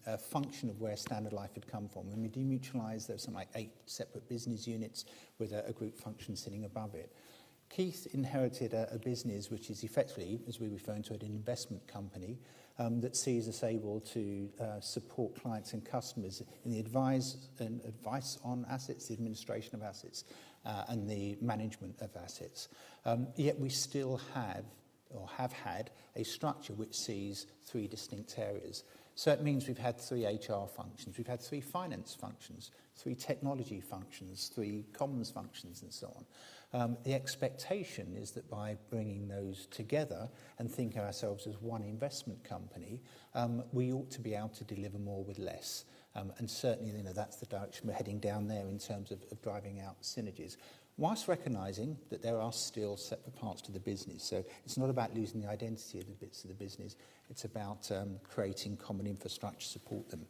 a function of where Standard Life had come from. When we demutualized, there were something like 8 separate business units with a group function sitting above it. Keith inherited a business which is effectively, as we refer to it, an investment company, that sees us able to support clients and customers in the advice on assets, the administration of assets, the management of assets. Yet we still have or have had a structure which sees three distinct areas. It means we've had three HR functions. We've had three finance functions, three technology functions, three comms functions, so on. The expectation is that by bringing those together and thinking of ourselves as one investment company, we ought to be able to deliver more with less. Certainly, that's the direction we're heading down there in terms of driving out synergies, whilst recognizing that there are still separate parts to the business. It's not about losing the identity of the bits of the business. It's about creating common infrastructure to support them.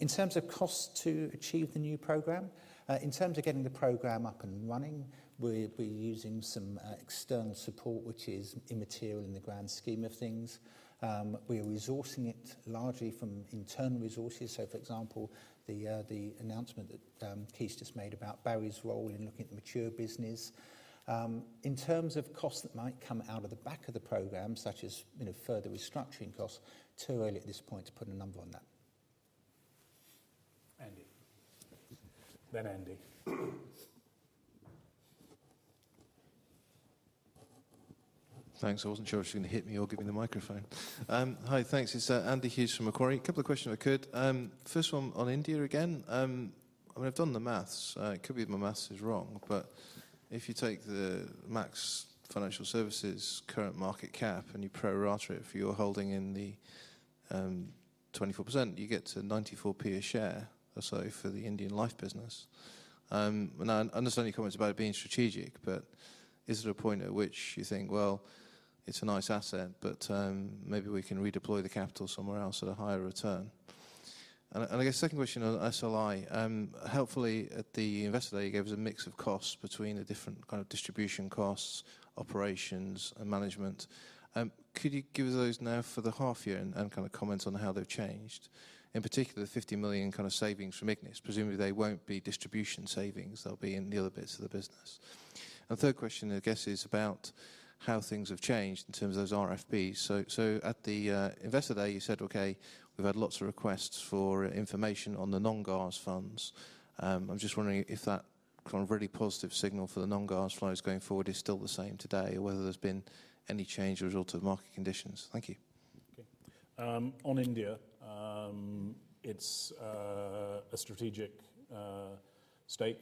In terms of cost to achieve the new program, in terms of getting the program up and running, we'll be using some external support, which is immaterial in the grand scheme of things. We are resourcing it largely from internal resources. For example, the announcement that Keith just made about Barry's role in looking at the mature business. In terms of costs that might come out of the back of the program, such as further restructuring costs, too early at this point to put a number on that. Andy. Andy. Thanks. I wasn't sure if she was going to hit me or give me the microphone. Hi, thanks. It's Andy Hughes from Macquarie. A couple of questions if I could. First one on India again. I've done the maths. It could be that my maths is wrong, but if you take the Max Financial Services current market cap and you prorate it for your holding in the 24%, you get to 0.94 a share or so for the Indian life business. I understand your comments about it being strategic, but is there a point at which you think, "Well, it's a nice asset, but maybe we can redeploy the capital somewhere else at a higher return"? I guess second question on SLI. Helpfully, at the investor day, you gave us a mix of costs between the different kind of distribution costs, operations, and management. Could you give us those now for the half year and kind of comment on how they've changed? In particular, the 50 million kind of savings from Ignis. Presumably, they won't be distribution savings. They'll be in the other bits of the business. Third question, I guess, is about how things have changed in terms of those RFPs. At the investor day, you said, "Okay, we've had lots of requests for information on the non-GARS funds." I'm just wondering if that kind of really positive signal for the non-GARS flows going forward is still the same today or whether there's been any change as a result of market conditions. Thank you. Okay. On India, it's a strategic stake.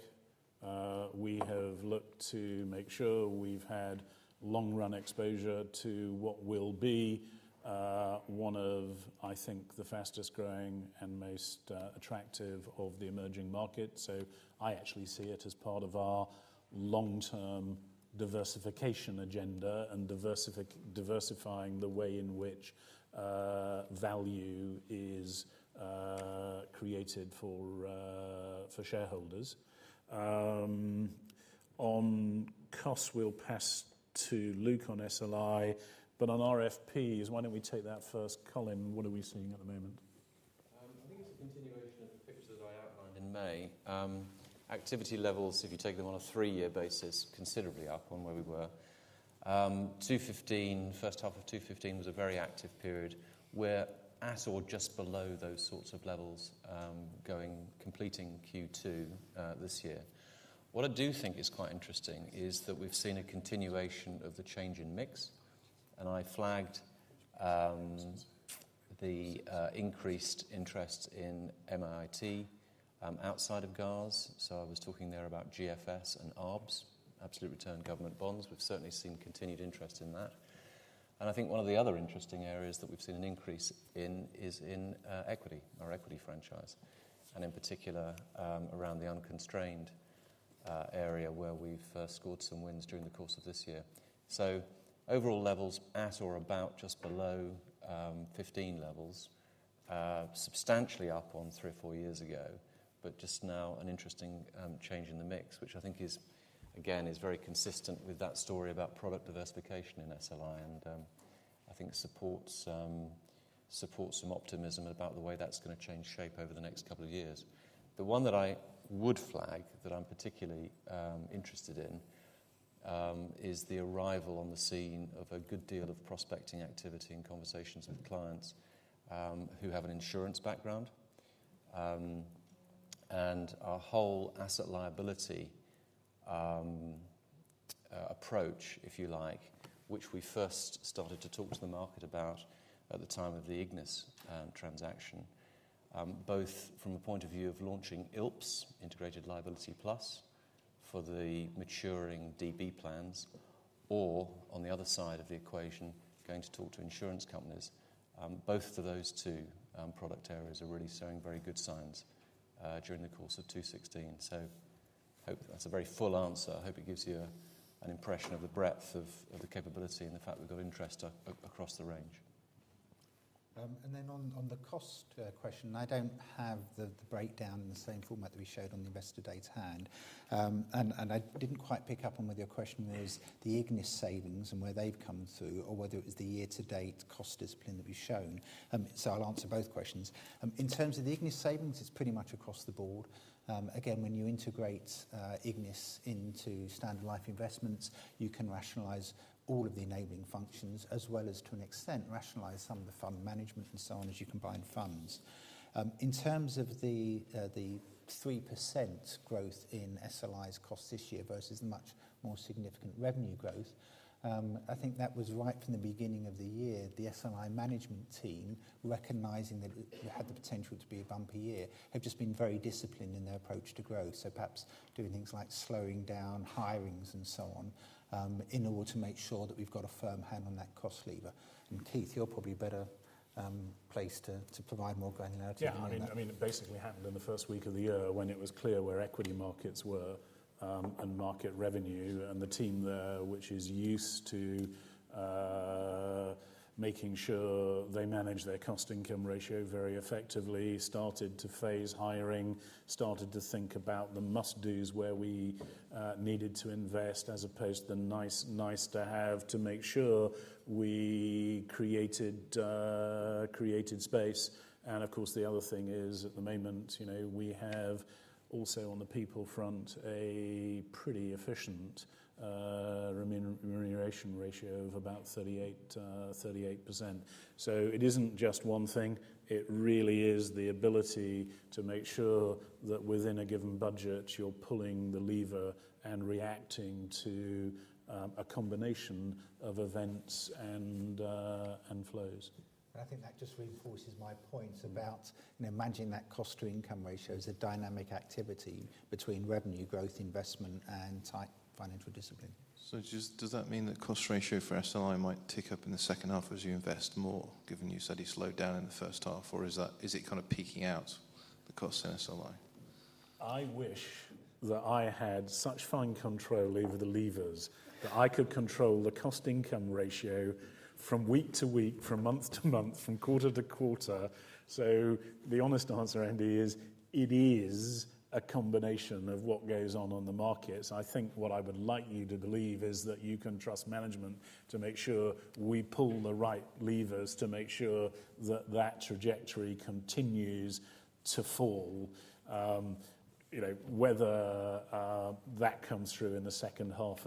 We have looked to make sure we've had long-run exposure to what will be one of, I think, the fastest-growing and most attractive of the emerging markets. I actually see it as part of our long-term diversification agenda and diversifying the way in which value is created for shareholders. On costs, we'll pass to Luke on SLI. On RFPs, why don't we take that first? Colin, what are we seeing at the moment? I think it's a continuation of the pictures that I outlined in May. Activity levels, if you take them on a three-year basis, considerably up on where we were. First half of 2015 was a very active period. We're at or just below those sorts of levels completing Q2 this year. What I do think is quite interesting is that we've seen a continuation of the change in mix. I flagged the increased interest in MIIT outside of GARS. I was talking there about GFS and ARBS, absolute return government bonds. We've certainly seen continued interest in that. I think one of the other interesting areas that we've seen an increase in is in equity, our equity franchise, and in particular, around the unconstrained area where we've scored some wins during the course of this year. Overall levels at or about just below 2015 levels. Substantially up on three or four years ago, but just now an interesting change in the mix, which I think is, again, is very consistent with that story about product diversification in SLI. I think supports some optimism about the way that's going to change shape over the next couple of years. The one that I would flag that I'm particularly interested in is the arrival on the scene of a good deal of prospecting activity and conversations with clients who have an insurance background. Our whole asset liability approach, if you like, which we first started to talk to the market about at the time of the Ignis transaction. Both from the point of view of launching ILPS, Integrated Liability Plus, for the maturing DB plans, or on the other side of the equation, going to talk to insurance companies. Both of those two product areas are really showing very good signs during the course of 2016. I hope that's a very full answer. I hope it gives you an impression of the breadth of the capability and the fact we've got interest across the range. On the cost question, I don't have the breakdown in the same format that we showed on Investor Day to hand. I didn't quite pick up on whether your question was the Ignis savings and where they've come through, or whether it was the year to date cost discipline that we've shown. I'll answer both questions. In terms of the Ignis savings, it's pretty much across the board. Again, when you integrate Ignis into Standard Life Investments, you can rationalize all of the enabling functions as well as, to an extent, rationalize some of the fund management and so on as you combine funds. In terms of the 3% growth in SLI's cost this year versus much more significant revenue growth, I think that was right from the beginning of the year. The SLI management team, recognizing that it had the potential to be a bumpy year, have just been very disciplined in their approach to growth. Perhaps doing things like slowing down hirings and so on, in order to make sure that we've got a firm hand on that cost lever. Keith, you're probably better placed to provide more granularity on that. Yeah, it basically happened in the first week of the year when it was clear where equity markets were, and market revenue, and the team there, which is used to making sure they manage their cost income ratio very effectively, started to phase hiring, started to think about the must-dos where we needed to invest as opposed to the nice to have, to make sure we created space. Of course, the other thing is at the moment, we have also on the people front, a pretty efficient remuneration ratio of about 38%. It isn't just one thing. It really is the ability to make sure that within a given budget, you're pulling the lever and reacting to a combination of events and flows. I think that just reinforces my points about imagining that cost to income ratio as a dynamic activity between revenue growth, investment, and tight financial discipline. Does that mean that cost ratio for SLI might tick up in the second half as you invest more, given you said you slowed down in the first half? Is it kind of peaking out, the cost in SLI? I wish that I had such fine control over the levers that I could control the cost income ratio from week to week, from month to month, from quarter to quarter. The honest answer, Andy, is it is a combination of what goes on on the markets. I think what I would like you to believe is that you can trust management to make sure we pull the right levers to make sure that that trajectory continues to fall. Whether that comes through in the second half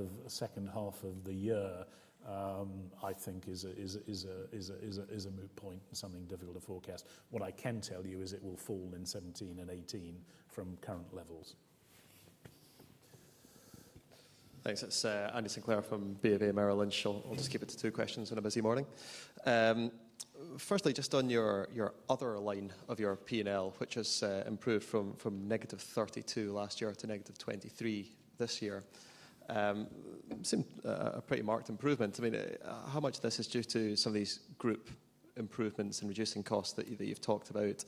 of the year, I think is a moot point and something difficult to forecast. What I can tell you is it will fall in 2017 and 2018 from current levels. Thanks. It's Andy Sinclair from BofA Merrill Lynch. I'll just keep it to two questions on a busy morning. Firstly, just on your other line of your P&L, which has improved from negative 32 last year to negative 23 this year. Seemed a pretty marked improvement. How much of this is due to some of these group improvements in reducing costs that you've talked about?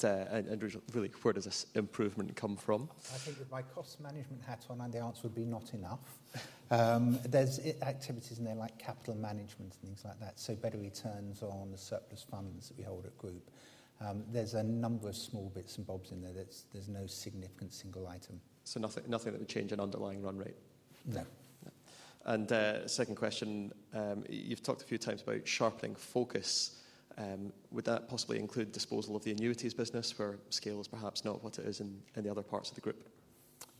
Really where does this improvement come from? I think with my cost management hat on, the answer would be not enough. There's activities in there like capital management and things like that. Better returns on the surplus funds that we hold at group. There's a number of small bits and bobs in there. There's no significant single item. Nothing that would change an underlying run rate? No. Second question, you've talked a few times about sharpening focus. Would that possibly include disposal of the annuities business where scale is perhaps not what it is in the other parts of the group?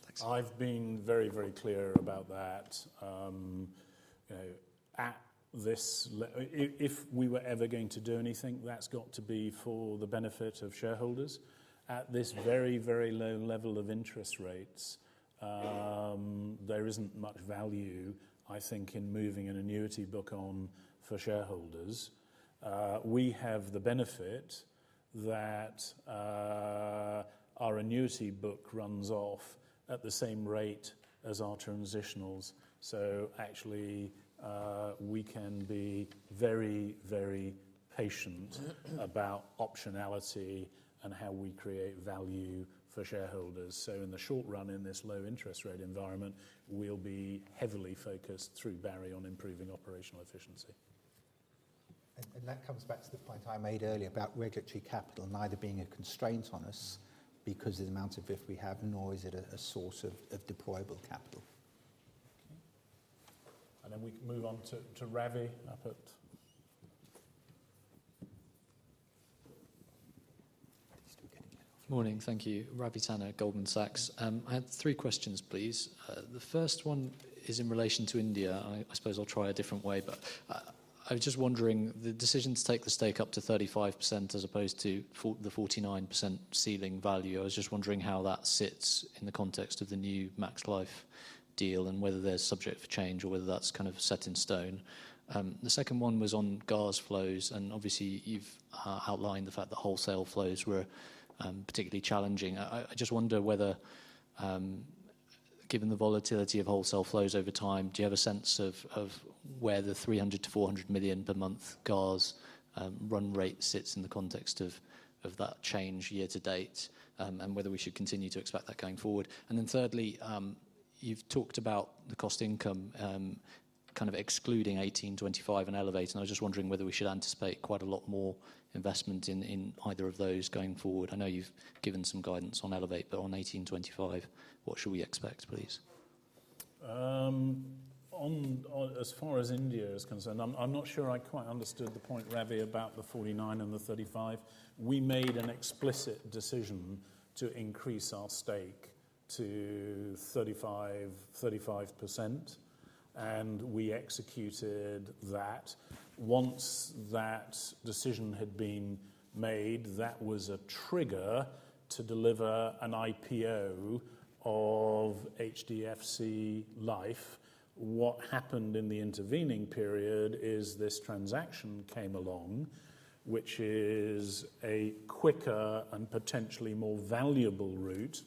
Thanks. I've been very clear about that. If we were ever going to do anything, that's got to be for the benefit of shareholders. At this very low level of interest rates, there isn't much value, I think, in moving an annuity book on for shareholders. Actually, we can be very patient about optionality and how we create value for shareholders. In the short run, in this low interest rate environment, we'll be heavily focused through Barry on improving operational efficiency. That comes back to the point I made earlier about regulatory capital neither being a constraint on us because of the amount of VIF we have, nor is it a source of deployable capital. Okay. We can move on to Ravi up at Good morning. Thank you. Ravi Tanna, Goldman Sachs. I had three questions, please. The first one is in relation to India. I suppose I'll try a different way, but I was just wondering, the decision to take the stake up to 35% as opposed to the 49% ceiling value. I was just wondering how that sits in the context of the new Max Life deal, and whether there's subject for change or whether that's kind of set in stone. The second one was on GARS flows, and obviously you've outlined the fact that wholesale flows were particularly challenging. I just wonder whether, given the volatility of wholesale flows over time, do you have a sense of where the 300 million-400 million per month GARS run rate sits in the context of that change year to date, and whether we should continue to expect that going forward. Thirdly, you've talked about the cost income kind of excluding 1825 and Elevate, and I was just wondering whether we should anticipate quite a lot more investment in either of those going forward. I know you've given some guidance on Elevate, but on 1825, what should we expect, please? As far as India is concerned, I'm not sure I quite understood the point, Ravi, about the 49 and the 35. We made an explicit decision to increase our stake to 35%, and we executed that. Once that decision had been made, that was a trigger to deliver an IPO of HDFC Life. What happened in the intervening period is this transaction came along, which is a quicker and potentially more valuable route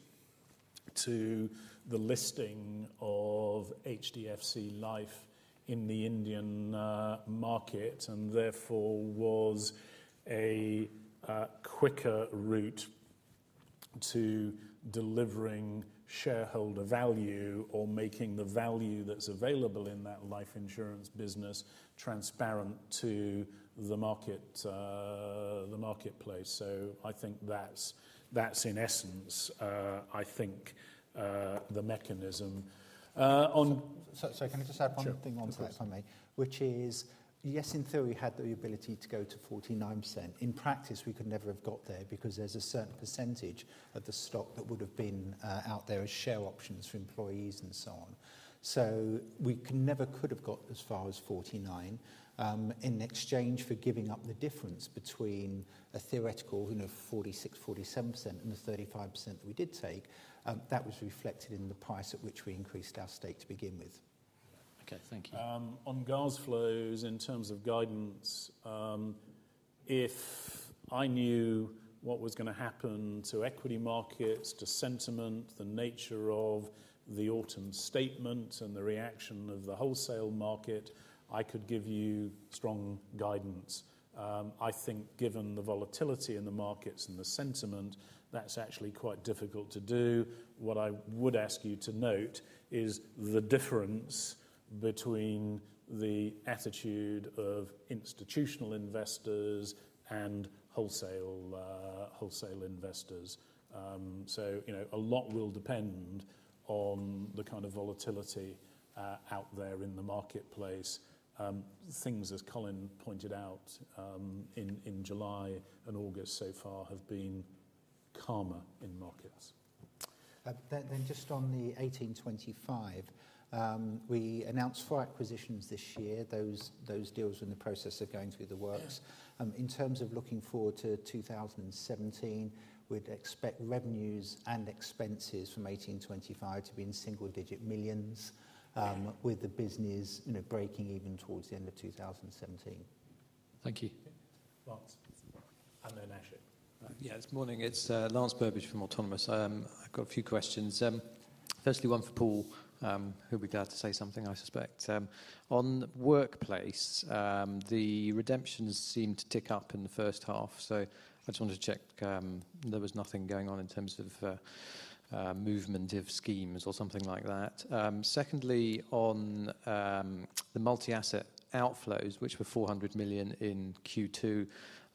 to the listing of HDFC Life in the Indian market, and therefore was a quicker route to delivering shareholder value or making the value that's available in that life insurance business transparent to the marketplace. I think that's in essence, I think, the mechanism. Sorry, can I just add one thing on to that. Sure if I may? Which is, yes, in theory, we had the ability to go to 49%. In practice, we could never have got there because there's a certain percentage of the stock that would have been out there as share options for employees and so on. We never could have got as far as 49%. In exchange for giving up the difference between a theoretical 46, 47% and the 35% that we did take, that was reflected in the price at which we increased our stake to begin with. Okay, thank you. On GARS flows, in terms of guidance, if I knew what was going to happen to equity markets, to sentiment, the nature of the Autumn Statement, and the reaction of the wholesale market, I could give you strong guidance. I think given the volatility in the markets and the sentiment, that's actually quite difficult to do. What I would ask you to note is the difference between the attitude of institutional investors and wholesale investors. A lot will depend on the kind of volatility out there in the marketplace. Things, as Colin pointed out, in July and August so far have been calmer in markets. Just on the 1825, we announced four acquisitions this year. Those deals are in the process of going through the works. Yeah. In terms of looking forward to 2017, we'd expect revenues and expenses from 1825 to be in single digit millions, with the business breaking even towards the end of 2017. Thank you. Lance and then Ashik. It's morning. It's Lance Burbidge from Autonomous. I've got a few questions. Firstly, one for Paul, who'll be glad to say something, I suspect. On workplace, the redemptions seemed to tick up in the first half. I just wanted to check there was nothing going on in terms of movement of schemes or something like that. Secondly, the multi-asset outflows, which were 400 million in Q2,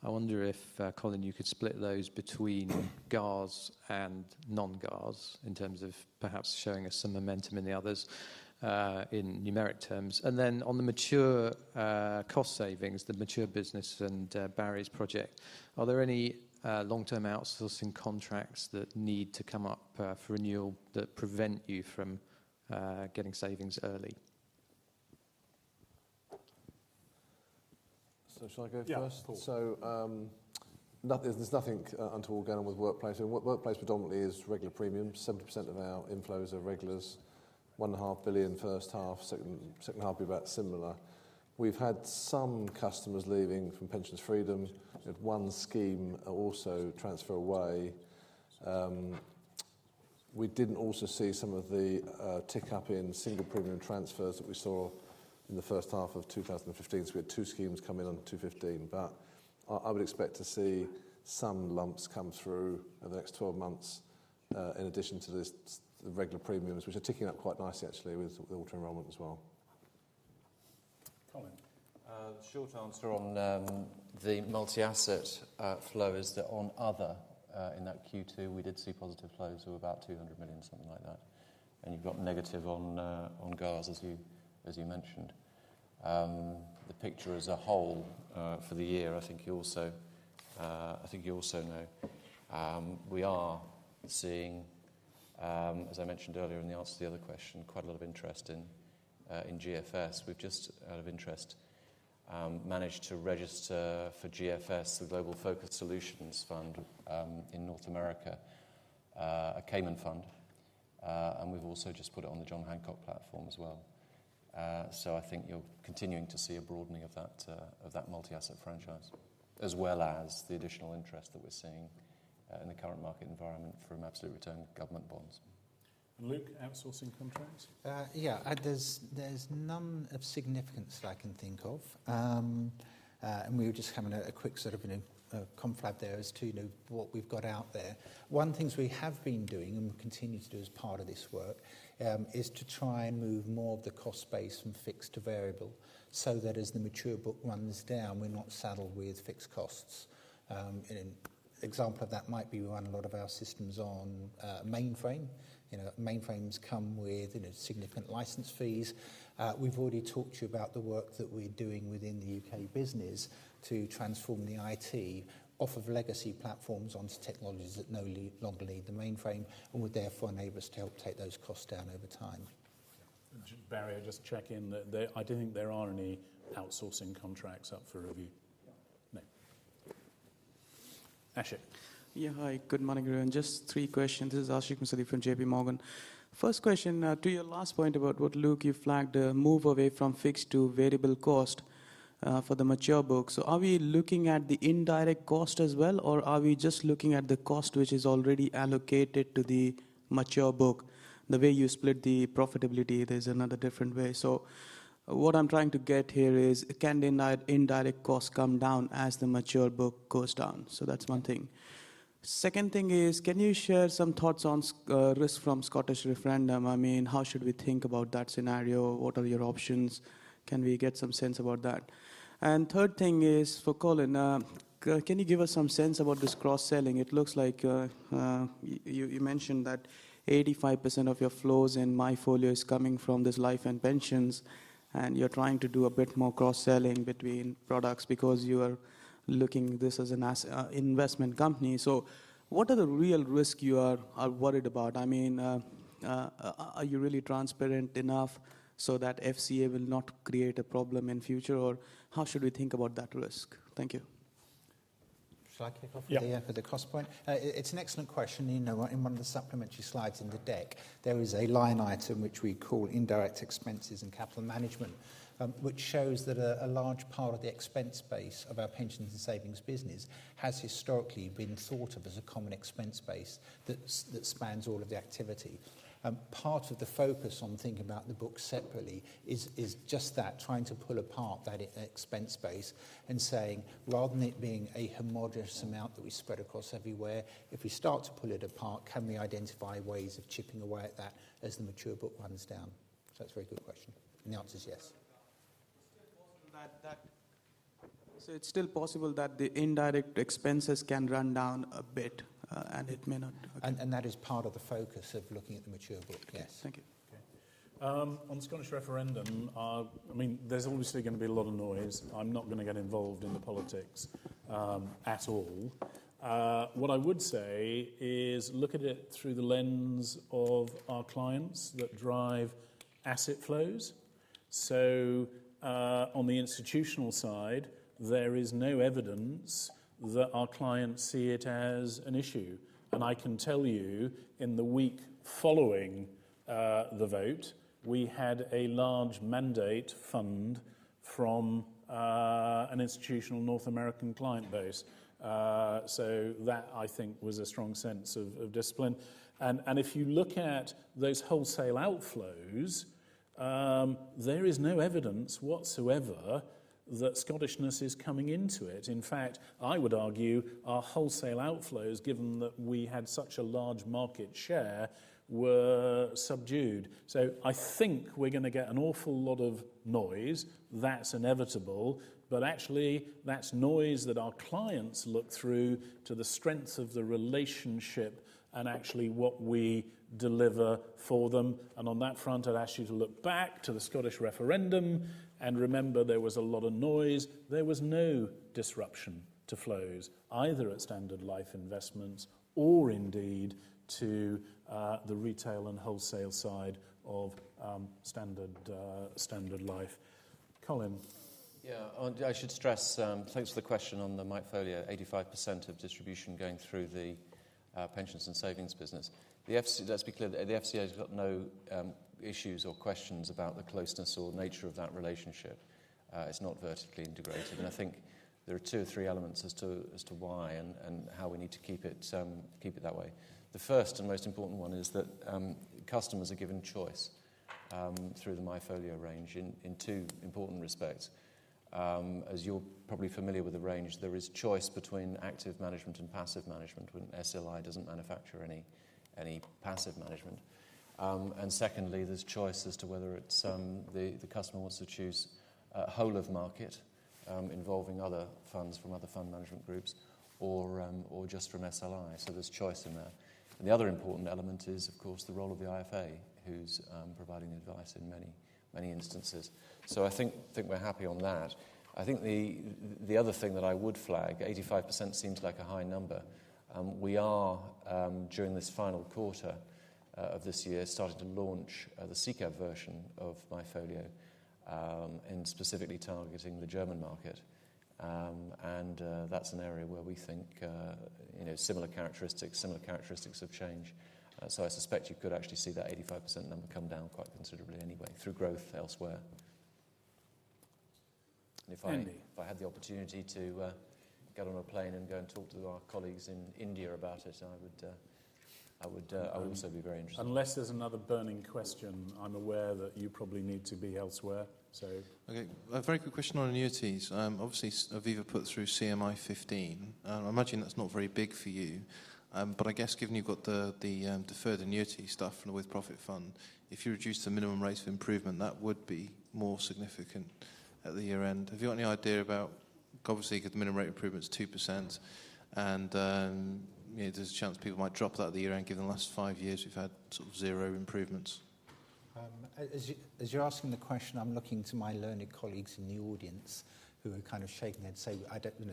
I wonder if, Colin, you could split those between GARS and non-GARS in terms of perhaps showing us some momentum in the others in numeric terms. On the mature cost savings, the mature business and Barry's project, are there any long-term outsourcing contracts that need to come up for renewal that prevent you from getting savings early? Shall I go first? Yeah, Paul. There's nothing untoward going on with workplace. Workplace predominantly is regular premium. 70% of our inflows are regulars. One and a half billion GBP first half, second half will be about similar. We've had some customers leaving from pensions freedom. We had one scheme also transfer away. We didn't also see some of the tick-up in single premium transfers that we saw in the first half of 2015, so we had two schemes come in under 2015. I would expect to see some lumps come through over the next 12 months, in addition to the regular premiums, which are ticking up quite nicely actually with auto-enrollment as well. Colin. Short answer on the multi-asset flow is that on other, in that Q2, we did see positive flows of about 200 million, something like that. You've got negative on GARS as you mentioned. The picture as a whole, for the year, I think you also know. We are seeing, as I mentioned earlier in the answer to the other question, quite a lot of interest in GFS. We've just, out of interest, managed to register for GFS, the Global Focused Strategies Fund, in North America, a Cayman fund. We've also just put it on the John Hancock platform as well. I think you're continuing to see a broadening of that multi-asset franchise, as well as the additional interest that we're seeing, in the current market environment from absolute return government bonds. Luke, outsourcing contracts? Yeah. There's none of significance that I can think of. We were just having a quick sort of confab there as to what we've got out there. One of the things we have been doing, and will continue to do as part of this work, is to try and move more of the cost base from fixed to variable, so that as the mature book runs down, we're not saddled with fixed costs. An example of that might be we run a lot of our systems on mainframe. Mainframes come with significant license fees. We've already talked to you about the work that we're doing within the U.K. business to transform the IT off of legacy platforms onto technologies that no longer need the mainframe and would therefore enable us to help take those costs down over time. Barry, just check in. I don't think there are any outsourcing contracts up for review. No. No. Ashik. Hi. Good morning everyone. Just three questions. This is Ashik Musaddi from J.P. Morgan. First question, to your last point about what Luke, you flagged, the move away from fixed to variable cost, for the mature book. Are we looking at the indirect cost as well, or are we just looking at the cost which is already allocated to the mature book? The way you split the profitability, there's another different way. What I'm trying to get here is, can the indirect costs come down as the mature book goes down? That's one thing. Second thing is, can you share some thoughts on risk from Scottish referendum? How should we think about that scenario? What are your options? Can we get some sense about that? Third thing is for Colin. Can you give us some sense about this cross-selling? It looks like you mentioned that 85% of your flows in MyFolio is coming from this life and pensions, and you're trying to do a bit more cross-selling between products because you are looking at this as an investment company. What are the real risks you are worried about? Are you really transparent enough so that FCA will not create a problem in future, or how should we think about that risk? Thank you. Shall I kick off with the cost point? Yeah. It's an excellent question. In one of the supplementary slides in the deck, there is a line item which we call indirect expenses and capital management, which shows that a large part of the expense base of our pensions and savings business has historically been thought of as a common expense base that spans all of the activity. Part of the focus on thinking about the book separately is just that, trying to pull apart that expense base and saying, rather than it being a homogenous amount that we spread across everywhere, if we start to pull it apart, can we identify ways of chipping away at that as the mature book runs down? That's a very good question. The answer's yes. It's still possible that the indirect expenses can run down a bit, it may not. That is part of the focus of looking at the mature book, yes. Thank you. On the Scottish referendum, there's obviously going to be a lot of noise. I'm not going to get involved in the politics at all. What I would say is look at it through the lens of our clients that drive asset flows. On the institutional side, there is no evidence that our clients see it as an issue. I can tell you, in the week following the vote, we had a large mandate fund from an institutional North American client base. That I think was a strong sense of discipline. If you look at those wholesale outflows, there is no evidence whatsoever that Scottishness is coming into it. In fact, I would argue our wholesale outflows, given that we had such a large market share, were subdued. I think we're going to get an awful lot of noise. That's inevitable. Actually, that's noise that our clients look through to the strengths of the relationship and actually what we deliver for them. On that front, I'd ask you to look back to the Scottish referendum and remember there was a lot of noise. There was no disruption to flows, either at Standard Life Investments or indeed to the retail and wholesale side of Standard Life. Colin? Yeah. I should stress, thanks for the question on the MyFolio, 85% of distribution going through the pensions and savings business. Let's be clear, the FCA's got no issues or questions about the closeness or nature of that relationship. It's not vertically integrated. I think there are two or three elements as to why and how we need to keep it that way. The first and most important one is that customers are given choice through the MyFolio range in two important respects. As you're probably familiar with the range, there is choice between active management and passive management when SLI doesn't manufacture any passive management. Secondly, there's choice as to whether the customer wants to choose whole of market, involving other funds from other fund management groups, or just from SLI. There's choice in there. The other important element is, of course, the role of the IFA who's providing advice in many instances. I think we're happy on that. I think the other thing that I would flag, 85% seems like a high number. We are, during this final quarter of this year, starting to launch the SICAV version of MyFolio, and specifically targeting the German market. That's an area where we think similar characteristics of change. I suspect you could actually see that 85% number come down quite considerably anyway through growth elsewhere. Andy. If I had the opportunity to get on a plane and go and talk to our colleagues in India about it, I would also be very interested. Unless there's another burning question, I'm aware that you probably need to be elsewhere, so. Okay. A very quick question on annuities. Obviously, Aviva put through CMI 15. I imagine that's not very big for you. I guess given you've got the deferred annuity stuff and the with-profit fund, if you reduce the minimum rate of improvement, that would be more significant at the year-end. Have you got any idea about, obviously, because the minimum rate improvement's 2%, and there's a chance people might drop that at the year-end given the last five years we've had sort of zero improvements. As you're asking the question, I'm looking to my learned colleagues in the audience who are kind of shaking their head, so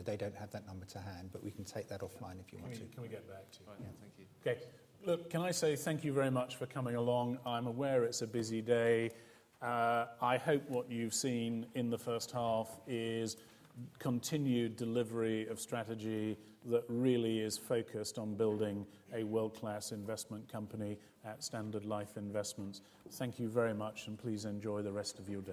they don't have that number to hand, but we can take that offline if you want to. Can we get back to you? Fine. Thank you. Okay. Look, can I say thank you very much for coming along. I'm aware it's a busy day. I hope what you've seen in the first half is continued delivery of strategy that really is focused on building a world-class investment company at Standard Life Investments. Thank you very much, and please enjoy the rest of your day.